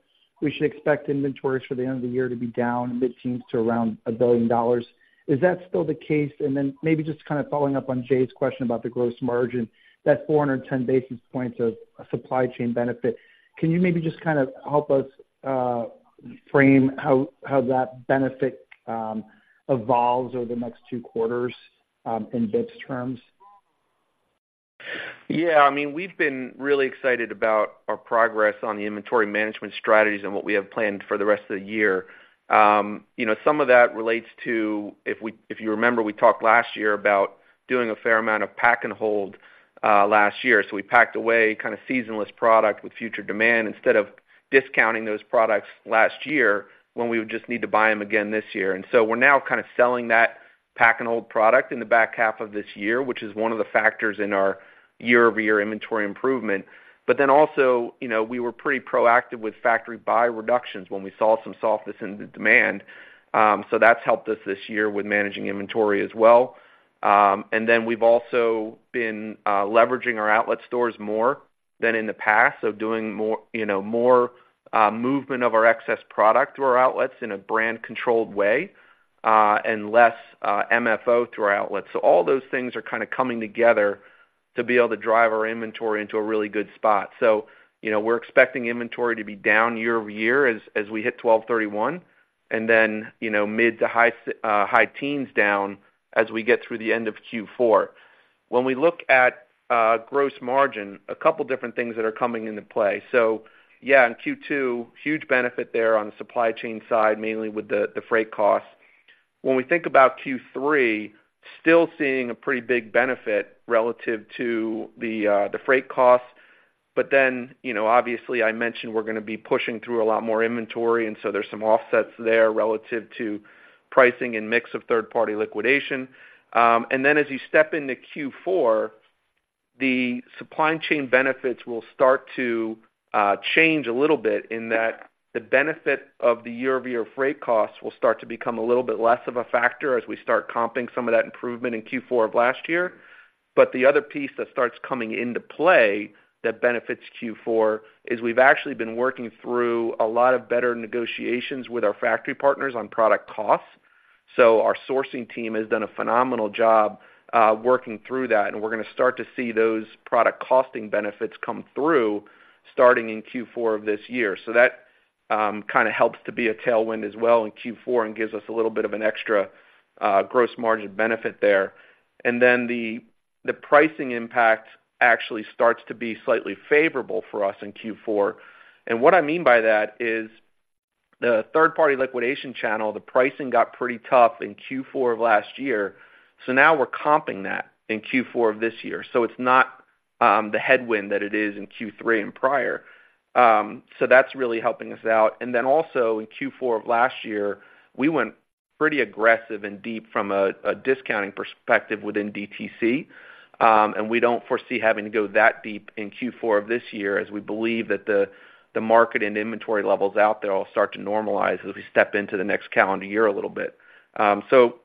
we should expect inventories for the end of the year to be down mid-teens to around $1 billion. Is that still the case? And then maybe just kind of following up on Jay's question about the gross margin, that 410 basis points of supply chain benefit, can you maybe just kind of help us, frame how, how that benefit, evolves over the next two quarters, in bps terms?... Yeah, I mean, we've been really excited about our progress on the inventory management strategies and what we have planned for the rest of the year. You know, some of that relates to, if you remember, we talked last year about doing a fair amount of pack and hold last year. So we packed away kind of seasonless product with future demand instead of discounting those products last year, when we would just need to buy them again this year. And so we're now kind of selling that pack and hold product in the back half of this year, which is one of the factors in our year-over-year inventory improvement. But then also, you know, we were pretty proactive with factory buy reductions when we saw some softness in the demand. So that's helped us this year with managing inventory as well. And then we've also been leveraging our outlet stores more than in the past, so doing more, you know, more movement of our excess product through our outlets in a brand-controlled way, and less MFO through our outlets. So all those things are kind of coming together to be able to drive our inventory into a really good spot. So, you know, we're expecting inventory to be down year-over-year as we hit 12/31, and then, you know, mid- to high-teens down as we get through the end of Q4. When we look at gross margin, a couple different things that are coming into play. So yeah, in Q2, huge benefit there on the supply chain side, mainly with the freight costs. When we think about Q3, still seeing a pretty big benefit relative to the freight costs. But then, you know, obviously, I mentioned we're gonna be pushing through a lot more inventory, and so there's some offsets there relative to pricing and mix of third-party liquidation. And then as you step into Q4, the supply chain benefits will start to change a little bit in that the benefit of the year-over-year freight costs will start to become a little bit less of a factor as we start comping some of that improvement in Q4 of last year. But the other piece that starts coming into play that benefits Q4 is we've actually been working through a lot of better negotiations with our factory partners on product costs. So our sourcing team has done a phenomenal job, working through that, and we're gonna start to see those product costing benefits come through starting in Q4 of this year. So that kind of helps to be a tailwind as well in Q4 and gives us a little bit of an extra gross margin benefit there. And then the pricing impact actually starts to be slightly favorable for us in Q4. And what I mean by that is, the third-party liquidation channel, the pricing got pretty tough in Q4 of last year, so now we're comping that in Q4 of this year. So it's not the headwind that it is in Q3 and prior. So that's really helping us out. And then also in Q4 of last year, we went pretty aggressive and deep from a discounting perspective within DTC. We don't foresee having to go that deep in Q4 of this year, as we believe that the market and inventory levels out there all start to normalize as we step into the next calendar year a little bit. A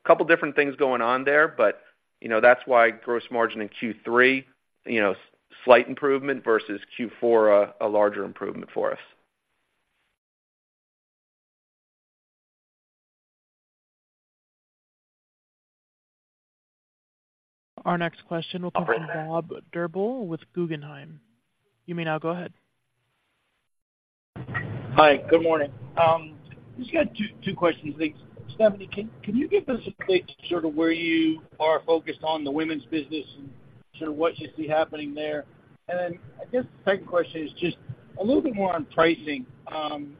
couple different things going on there, but, you know, that's why gross margin in Q3, you know, slight improvement versus Q4, a larger improvement for us. Our next question will come from Bob Drbul with Guggenheim. You may now go ahead. Hi, good morning. Just got two questions, please. Stephanie, can you give us an update sort of where you are focused on the women's business and sort of what you see happening there? And then I guess the second question is just a little bit more on pricing.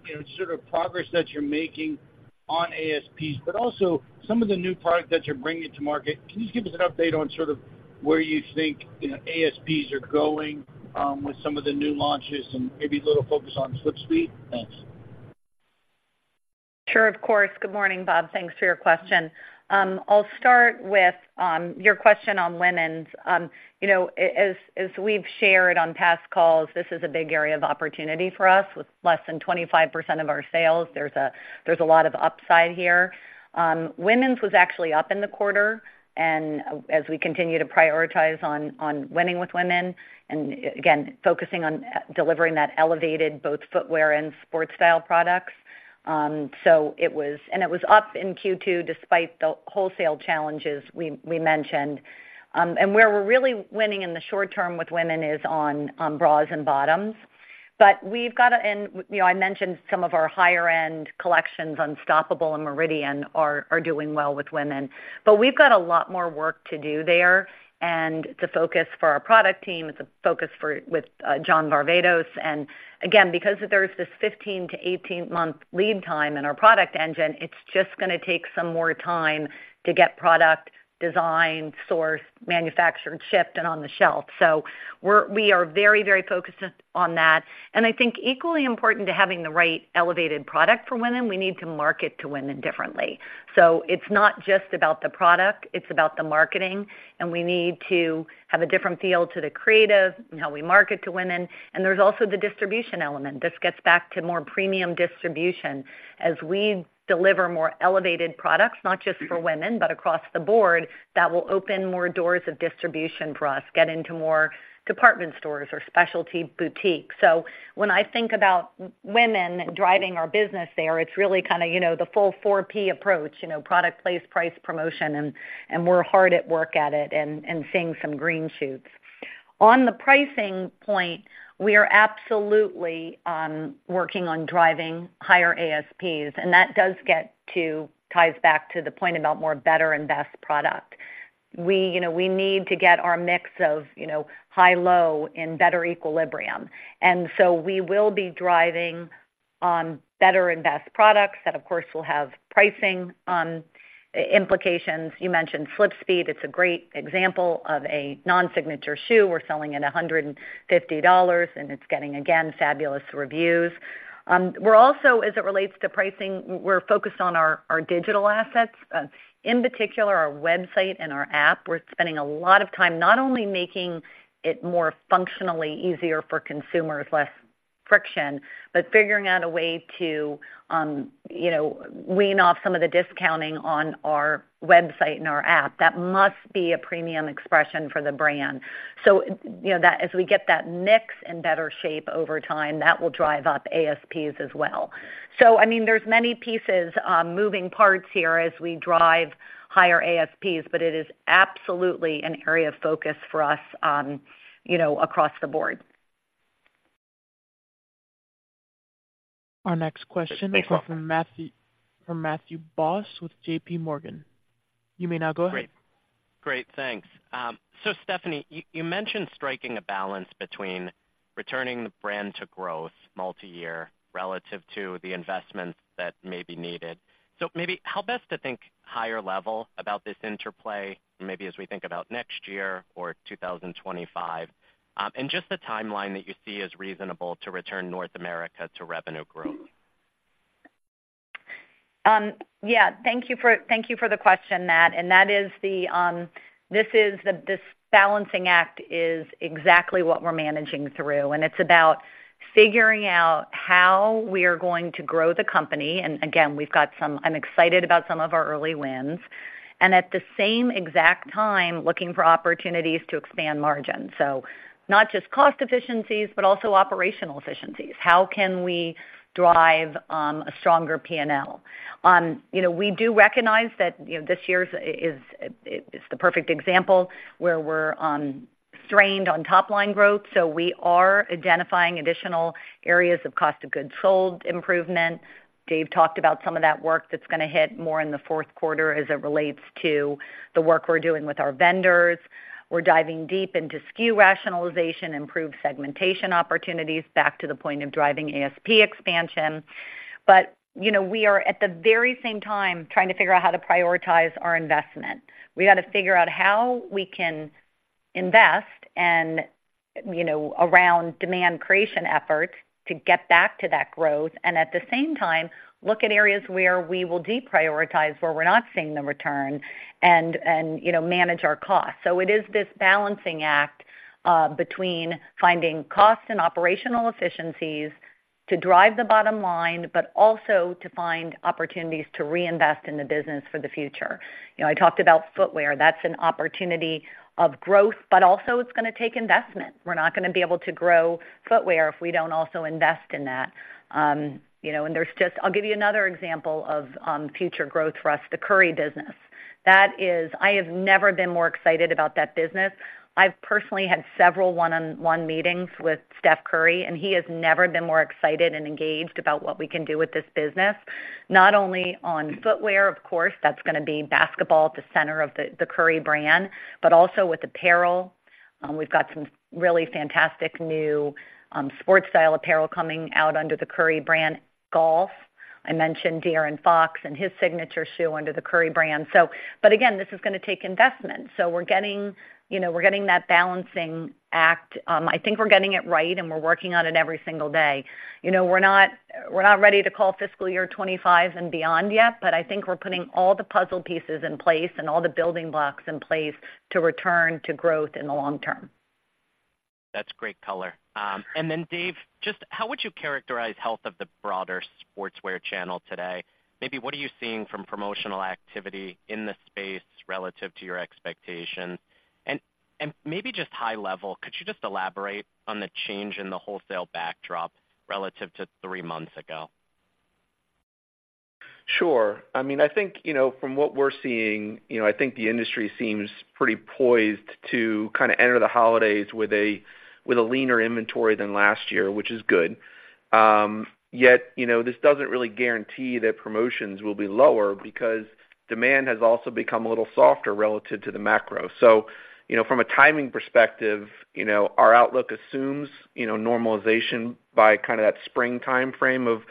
You know, sort of progress that you're making on ASPs, but also some of the new products that you're bringing to market. Can you just give us an update on sort of where you think, you know, ASPs are going, with some of the new launches and maybe a little focus on SlipSpeed? Thanks. Sure. Of course. Good morning, Bob. Thanks for your question. I'll start with your question on women's. You know, as we've shared on past calls, this is a big area of opportunity for us. With less than 25% of our sales, there's a lot of upside here. Women's was actually up in the quarter, and as we continue to prioritize on winning with women and, again, focusing on delivering that elevated both footwear and sports style products. So it was up in Q2, despite the wholesale challenges we mentioned. And where we're really winning in the short term with women is on bras and bottoms. But we've got and, you know, I mentioned some of our higher end collections, Unstoppable and Meridian, are doing well with women. But we've got a lot more work to do there. And it's a focus for our product team, it's a focus for with John Varvatos. And again, because there's this 15-18-month lead time in our product engine, it's just gonna take some more time to get product designed, sourced, manufactured, shipped, and on the shelf. So we are very, very focused on that. And I think equally important to having the right elevated product for women, we need to market to women differently. So it's not just about the product, it's about the marketing, and we need to have a different feel to the creative and how we market to women. And there's also the distribution element. This gets back to more premium distribution. As we deliver more elevated products, not just for women, but across the board, that will open more doors of distribution for us, get into more department stores or specialty boutiques. So when I think about women driving our business there, it's really kind of, you know, the full four P approach, you know, product, place, price, promotion, and, and we're hard at work at it and seeing some green shoots. On the pricing point, we are absolutely working on driving higher ASPs, and that does get to, ties back to the point about more better and best product. We, you know, we need to get our mix of, you know, high, low in better equilibrium, and so we will be driving on better and best products. That, of course, will have pricing implications. You mentioned SlipSpeed. It's a great example of a non-signature shoe. We're selling at $150, and it's getting, again, fabulous reviews. We're also, as it relates to pricing, we're focused on our, our digital assets, in particular, our website and our app. We're spending a lot of time not only making it more functionally easier for consumers, less friction, but figuring out a way to, you know, wean off some of the discounting on our website and our app. That must be a premium expression for the brand. So you know, that—as we get that mix in better shape over time, that will drive up ASPs as well. So I mean, there's many pieces, moving parts here as we drive higher ASPs, but it is absolutely an area of focus for us on, you know, across the board. Our next question- Thanks, Welcome. comes from Matthew, from Matthew Boss with J.P. Morgan. You may now go ahead. Great. Great, thanks. So Stephanie, you mentioned striking a balance between returning the brand to growth multi-year relative to the investments that may be needed. So maybe how best to think higher level about this interplay, maybe as we think about next year or 2025, and just the timeline that you see as reasonable to return North America to revenue growth? Yeah, thank you for the question, Matt, and this is the... This balancing act is exactly what we're managing through, and it's about figuring out how we are going to grow the company. And again, we've got some... I'm excited about some of our early wins, and at the same exact time, looking for opportunities to expand margin. So not just cost efficiencies, but also operational efficiencies. How can we drive a stronger P&L? You know, we do recognize that, you know, this year is the perfect example where we're strained on top line growth, so we are identifying additional areas of cost of goods sold improvement. Dave talked about some of that work that's gonna hit more in the fourth quarter as it relates to the work we're doing with our vendors. We're diving deep into SKU rationalization, improved segmentation opportunities back to the point of driving ASP expansion. But, you know, we are, at the very same time, trying to figure out how to prioritize our investment. We got to figure out how we can invest and, you know, around demand creation efforts to get back to that growth, and at the same time, look at areas where we will deprioritize, where we're not seeing the return, and, and, you know, manage our costs. So it is this balancing act, between finding costs and operational efficiencies to drive the bottom line, but also to find opportunities to reinvest in the business for the future. You know, I talked about footwear. That's an opportunity of growth, but also it's gonna take investment. We're not gonna be able to grow footwear if we don't also invest in that. You know, and there's just— I'll give you another example of future growth for us, the Curry business. That is... I have never been more excited about that business. I've personally had several one-on-one meetings with Steph Curry, and he has never been more excited and engaged about what we can do with this business. Not only on footwear, of course, that's gonna be basketball at the center of the Curry brand, but also with apparel. We've got some really fantastic new sports style apparel coming out under the Curry brand. Golf, I mentioned De'Aaron Fox and his signature shoe under the Curry brand. So but again, this is gonna take investment, so we're getting, you know, we're getting that balancing act. I think we're getting it right, and we're working on it every single day. You know, we're not, we're not ready to call fiscal year 25 and beyond yet, but I think we're putting all the puzzle pieces in place and all the building blocks in place to return to growth in the long term. That's great color. And then, Dave, just how would you characterize health of the broader sportswear channel today? Maybe what are you seeing from promotional activity in the space relative to your expectations? And maybe just high level, could you just elaborate on the change in the wholesale backdrop relative to three months ago? Sure. I mean, I think, you know, from what we're seeing, you know, I think the industry seems pretty poised to kind of enter the holidays with a, with a leaner inventory than last year, which is good. Yet, you know, this doesn't really guarantee that promotions will be lower because demand has also become a little softer relative to the macro. So, you know, from a timing perspective, you know, our outlook assumes, you know, normalization by kind of that spring timeframe of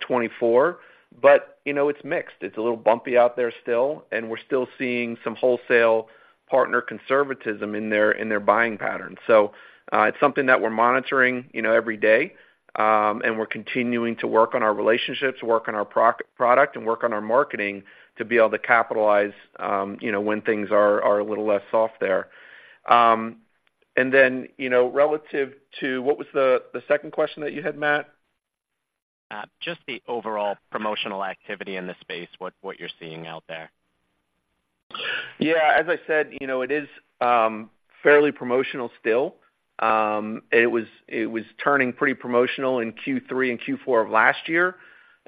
2024, but, you know, it's mixed. It's a little bumpy out there still, and we're still seeing some wholesale partner conservatism in their, in their buying patterns. So, it's something that we're monitoring, you know, every day, and we're continuing to work on our relationships, work on our product, and work on our marketing to be able to capitalize, you know, when things are a little less soft there. And then, you know, relative to... What was the second question that you had, Matt? Just the overall promotional activity in the space, what you're seeing out there. Yeah, as I said, you know, it is fairly promotional still. It was turning pretty promotional in Q3 and Q4 of last year....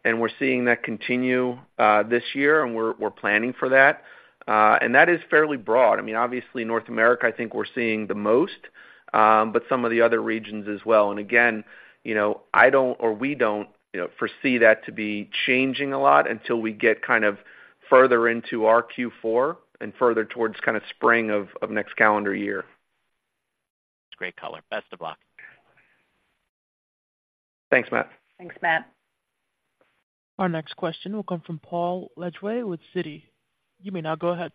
and we're seeing that continue, this year, and we're, we're planning for that. And that is fairly broad. I mean, obviously, North America, I think we're seeing the most, but some of the other regions as well. And again, you know, I don't or we don't, you know, foresee that to be changing a lot until we get kind of further into our Q4 and further towards kind of spring of, next calendar year. Great color. Best of luck. Thanks, Matt. Thanks, Matt. Our next question will come from Paul Lejuez with Citi. You may now go ahead.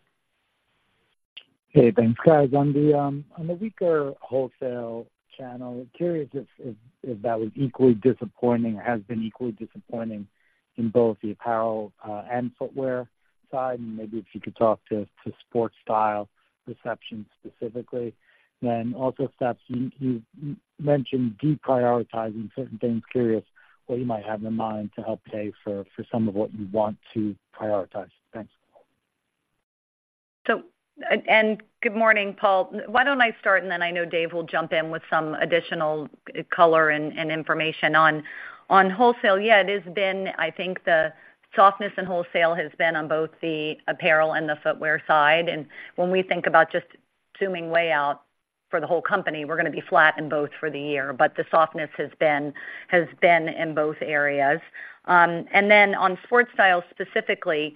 Hey, thanks, guys. On the weaker wholesale channel, I'm curious if that was equally disappointing or has been equally disappointing in both the apparel and footwear side? And maybe if you could talk to sports style reception specifically. Then also, Steph, you mentioned deprioritizing certain things. Curious what you might have in mind to help pay for some of what you want to prioritize. Thanks. Good morning, Paul. Why don't I start, and then I know Dave will jump in with some additional color and information on wholesale. Yeah, it has been. I think the softness in wholesale has been on both the apparel and the footwear side. And when we think about just zooming way out for the whole company, we're going to be flat in both for the year, but the softness has been in both areas. And then on sports style, specifically,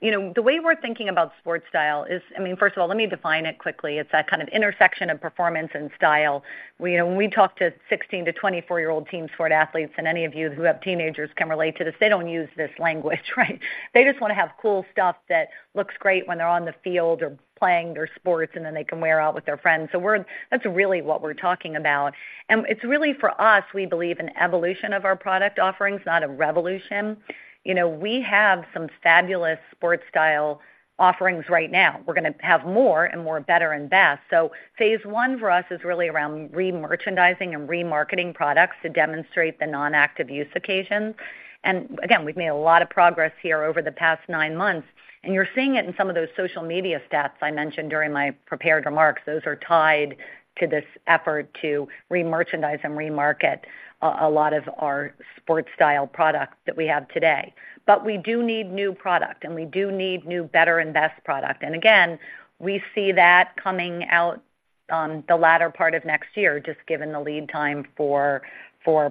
you know, the way we're thinking about sports style is. I mean, first of all, let me define it quickly. It's that kind of intersection of performance and style. You know, when we talk to 16- to 24-year-old team sport athletes, and any of you who have teenagers can relate to this, they don't use this language, right? They just want to have cool stuff that looks great when they're on the field or playing their sports, and then they can wear out with their friends. So we're. That's really what we're talking about. And it's really, for us, we believe, an evolution of our product offerings, not a revolution. You know, we have some fabulous sports style offerings right now. We're gonna have more and more better and best. So phase one for us is really around remerchandising and remarketing products to demonstrate the non-active use occasions. And again, we've made a lot of progress here over the past nine months, and you're seeing it in some of those social media stats I mentioned during my prepared remarks. Those are tied to this effort to remerchandise and remarket a lot of our sports style products that we have today. But we do need new product, and we do need new, better, and best product. And again, we see that coming out on the latter part of next year, just given the lead time for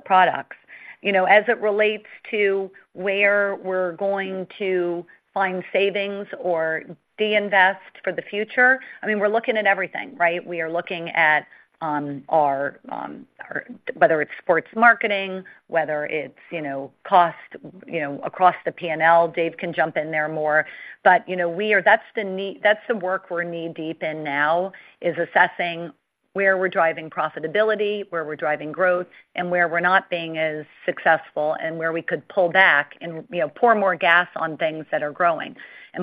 products. You know, as it relates to where we're going to find savings or deinvest for the future, I mean, we're looking at everything, right? We are looking at whether it's sports marketing, whether it's, you know, cost, you know, across the P&L. Dave can jump in there more. But, you know, we are. That's the work we're knee-deep in now, is assessing where we're driving profitability, where we're driving growth, and where we're not being as successful, and where we could pull back and, you know, pour more gas on things that are growing.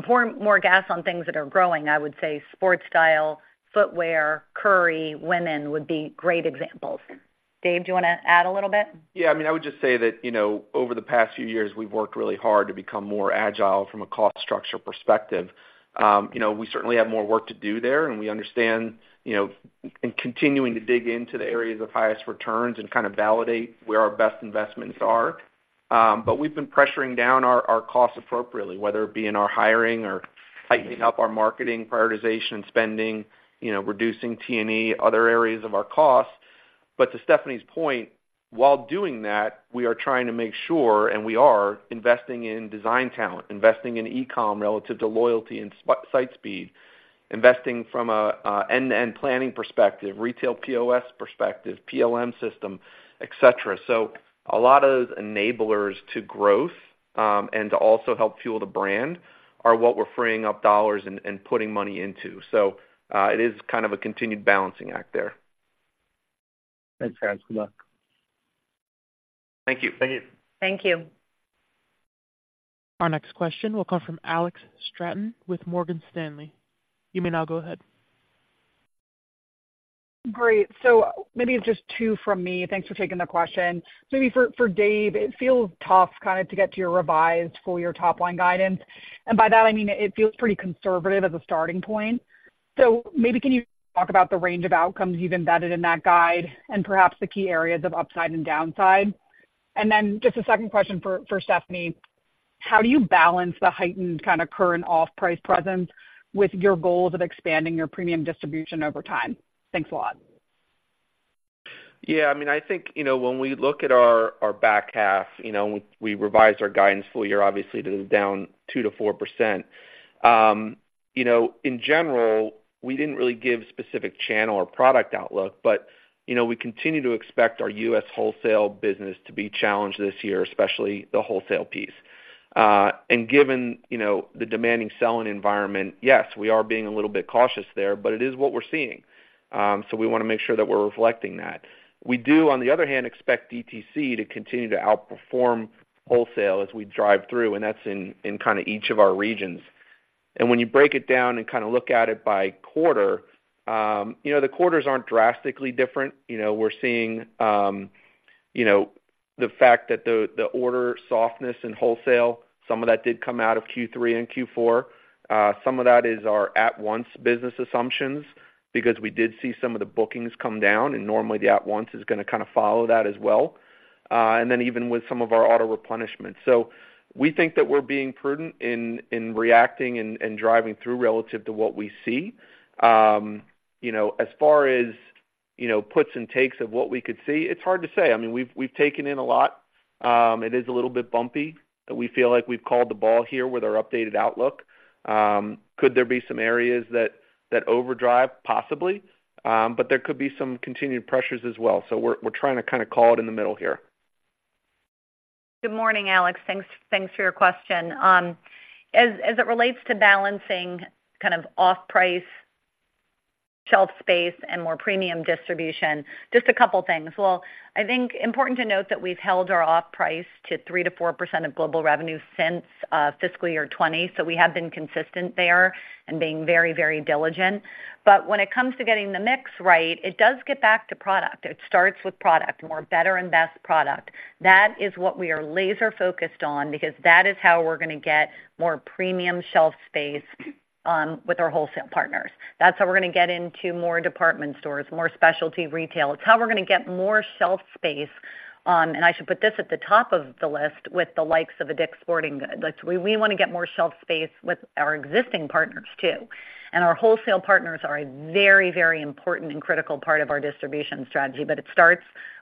Pour more gas on things that are growing, I would say sports style, footwear, curry, women would be great examples. Dave, do you want to add a little bit? Yeah, I mean, I would just say that, you know, over the past few years, we've worked really hard to become more agile from a cost structure perspective. You know, we certainly have more work to do there, and we understand, you know, and continuing to dig into the areas of highest returns and kind of validate where our best investments are. But we've been pressuring down our costs appropriately, whether it be in our hiring or tightening up our marketing, prioritization and spending, you know, reducing T&E, other areas of our costs. But to Stephanie's point, while doing that, we are trying to make sure, and we are, investing in design talent, investing in e-com relative to loyalty and spu- site speed, investing from a, a end-to-end planning perspective, retail POS perspective, PLM system, et cetera. So a lot of enablers to growth, and to also help fuel the brand are what we're freeing up dollars and, and putting money into. So, it is kind of a continued balancing act there. Thanks, guys. Good luck. Thank you. Thank you. Thank you. Our next question will come from Alex Straton with Morgan Stanley. You may now go ahead. Great. So maybe it's just two from me. Thanks for taking the question. Maybe for Dave, it feels tough kind of to get to your revised full-year top-line guidance. And by that, I mean, it feels pretty conservative as a starting point. So maybe can you talk about the range of outcomes you've embedded in that guide and perhaps the key areas of upside and downside? And then just a second question for, for Stephanie: How do you balance the heightened kind of current off-price presence with your goals of expanding your premium distribution over time? Thanks a lot. Yeah, I mean, I think, you know, when we look at our, our back half, you know, we revised our guidance full year, obviously, that is down 2%-4%. You know, in general, we didn't really give specific channel or product outlook, but, you know, we continue to expect our U.S. wholesale business to be challenged this year, especially the wholesale piece. And given, you know, the demanding selling environment, yes, we are being a little bit cautious there, but it is what we're seeing. So we want to make sure that we're reflecting that. We do, on the other hand, expect DTC to continue to outperform wholesale as we drive through, and that's in, in kind of each of our regions. And when you break it down and kind of look at it by quarter, you know, the quarters aren't drastically different. You know, we're seeing you know, the fact that the order softness in wholesale, some of that did come out of Q3 and Q4. Some of that is our at-once business assumptions, because we did see some of the bookings come down, and normally, the at-once is gonna kind of follow that as well. And then even with some of our auto replenishment. So we think that we're being prudent in reacting and driving through relative to what we see. You know, as far as, you know, puts and takes of what we could see, it's hard to say. I mean, we've taken in a lot. It is a little bit bumpy, but we feel like we've called the ball here with our updated outlook. Could there be some areas that overdrive? Possibly, but there could be some continued pressures as well. So we're trying to kind of call it in the middle here. Good morning, Alex. Thanks, thanks for your question. As, as it relates to balancing kind of off-price shelf space and more premium distribution, just a couple things. Well, I think important to note that we've held our off price to 3%-4% of global revenue since fiscal year 2020, so we have been consistent there and being very, very diligent. But when it comes to getting the mix right, it does get back to product. It starts with product, more better and best product. That is what we are laser-focused on, because that is how we're gonna get more premium shelf space with our wholesale partners. That's how we're gonna get into more department stores, more specialty retail. It's how we're gonna get more shelf space, and I should put this at the top of the list, with the likes of a DICK'S Sporting Goods. Like, we wanna get more shelf space with our existing partners, too. And our wholesale partners are a very, very important and critical part of our distribution strategy, but it starts with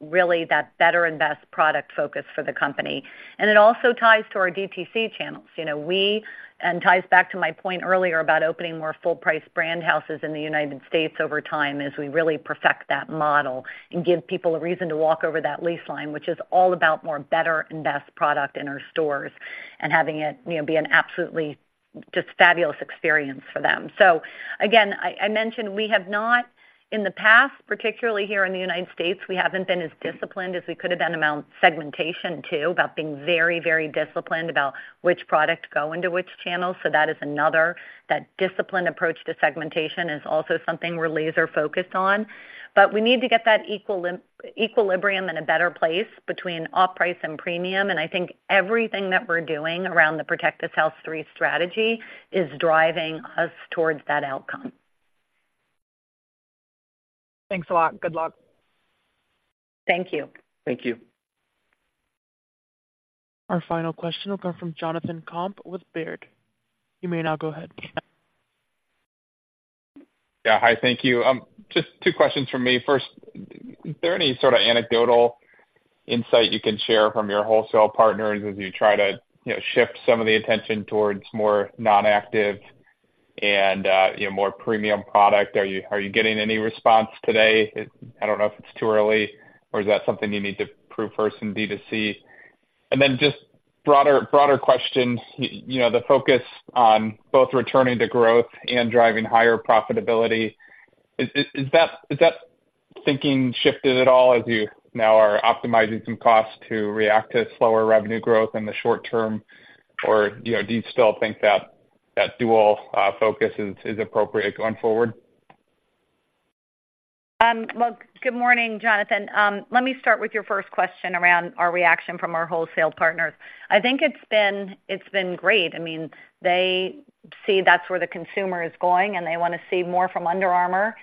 really that better and best product focus for the company. And it also ties to our DTC channels. You know, and ties back to my point earlier about opening more full-price brand houses in the United States over time as we really perfect that model and give people a reason to walk over that lease line, which is all about more better and best product in our stores, and having it, you know, be an absolutely just fabulous experience for them. So again, I mentioned we have not—in the past, particularly here in the United States, we haven't been as disciplined as we could have been around segmentation, too, about being very, very disciplined about which product go into which channels. So that is another, that disciplined approach to segmentation is also something we're laser-focused on. But we need to get that equilibrium in a better place between off-price and premium, and I think everything that we're doing around the Protect This House 3 strategy is driving us towards that outcome. Thanks a lot. Good luck. Thank you. Thank you. Our final question will come from Jonathan Komp with Baird. You may now go ahead. Yeah. Hi, thank you. Just two questions from me. First, is there any sort of anecdotal insight you can share from your wholesale partners as you try to, you know, shift some of the attention towards more non-active and, you know, more premium product? Are you getting any response today? I don't know if it's too early, or is that something you need to prove first in DTC? And then just broader question, you know, the focus on both returning to growth and driving higher profitability, is that, has that thinking shifted at all as you now are optimizing some costs to react to slower revenue growth in the short term? Or, you know, do you still think that that dual focus is appropriate going forward? Well, good morning, Jonathan. Let me start with your first question around our reaction from our wholesale partners. I think it's been, it's been great. I mean, they see that's where the consumer is going, and they wanna see more from Under Armour,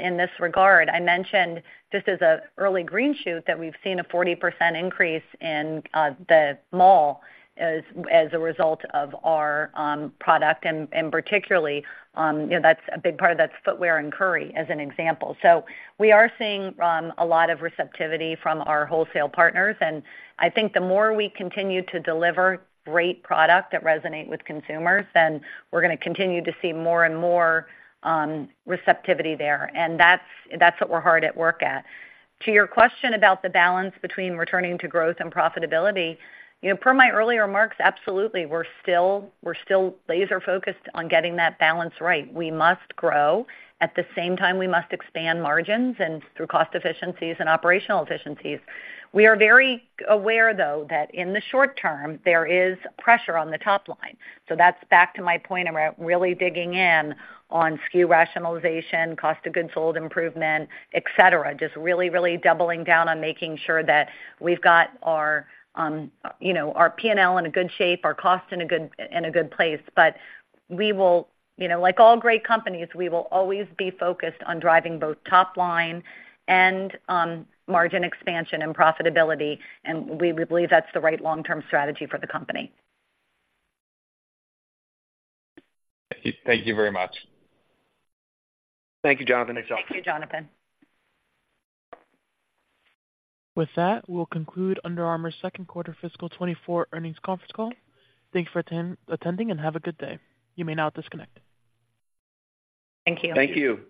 in this regard. I mentioned just as an early green shoot, that we've seen a 40% increase in, the mall as, as a result of our, product, and, and particularly, you know, that's a big part of that's footwear and Curry, as an example. So we are seeing, a lot of receptivity from our wholesale partners, and I think the more we continue to deliver great product that resonate with consumers, then we're gonna continue to see more and more, receptivity there. And that's, that's what we're hard at work at. To your question about the balance between returning to growth and profitability, you know, per my earlier remarks, absolutely, we're still, we're still laser-focused on getting that balance right. We must grow. At the same time, we must expand margins and through cost efficiencies and operational efficiencies. We are very aware, though, that in the short term, there is pressure on the top line. So that's back to my point around really digging in on SKU rationalization, cost of goods sold improvement, et cetera. Just really, really doubling down on making sure that we've got our, you know, our P&L in a good shape, our costs in a good, in a good place. But we will... You know, like all great companies, we will always be focused on driving both top line and, margin expansion and profitability, and we believe that's the right long-term strategy for the company. Thank you, thank you very much. Thank you, Jonathan. Thank you, Jonathan. With that, we'll conclude Under Armour's second quarter fiscal 2024 earnings conference call. Thank you for attending, and have a good day. You may now disconnect. Thank you. Thank you.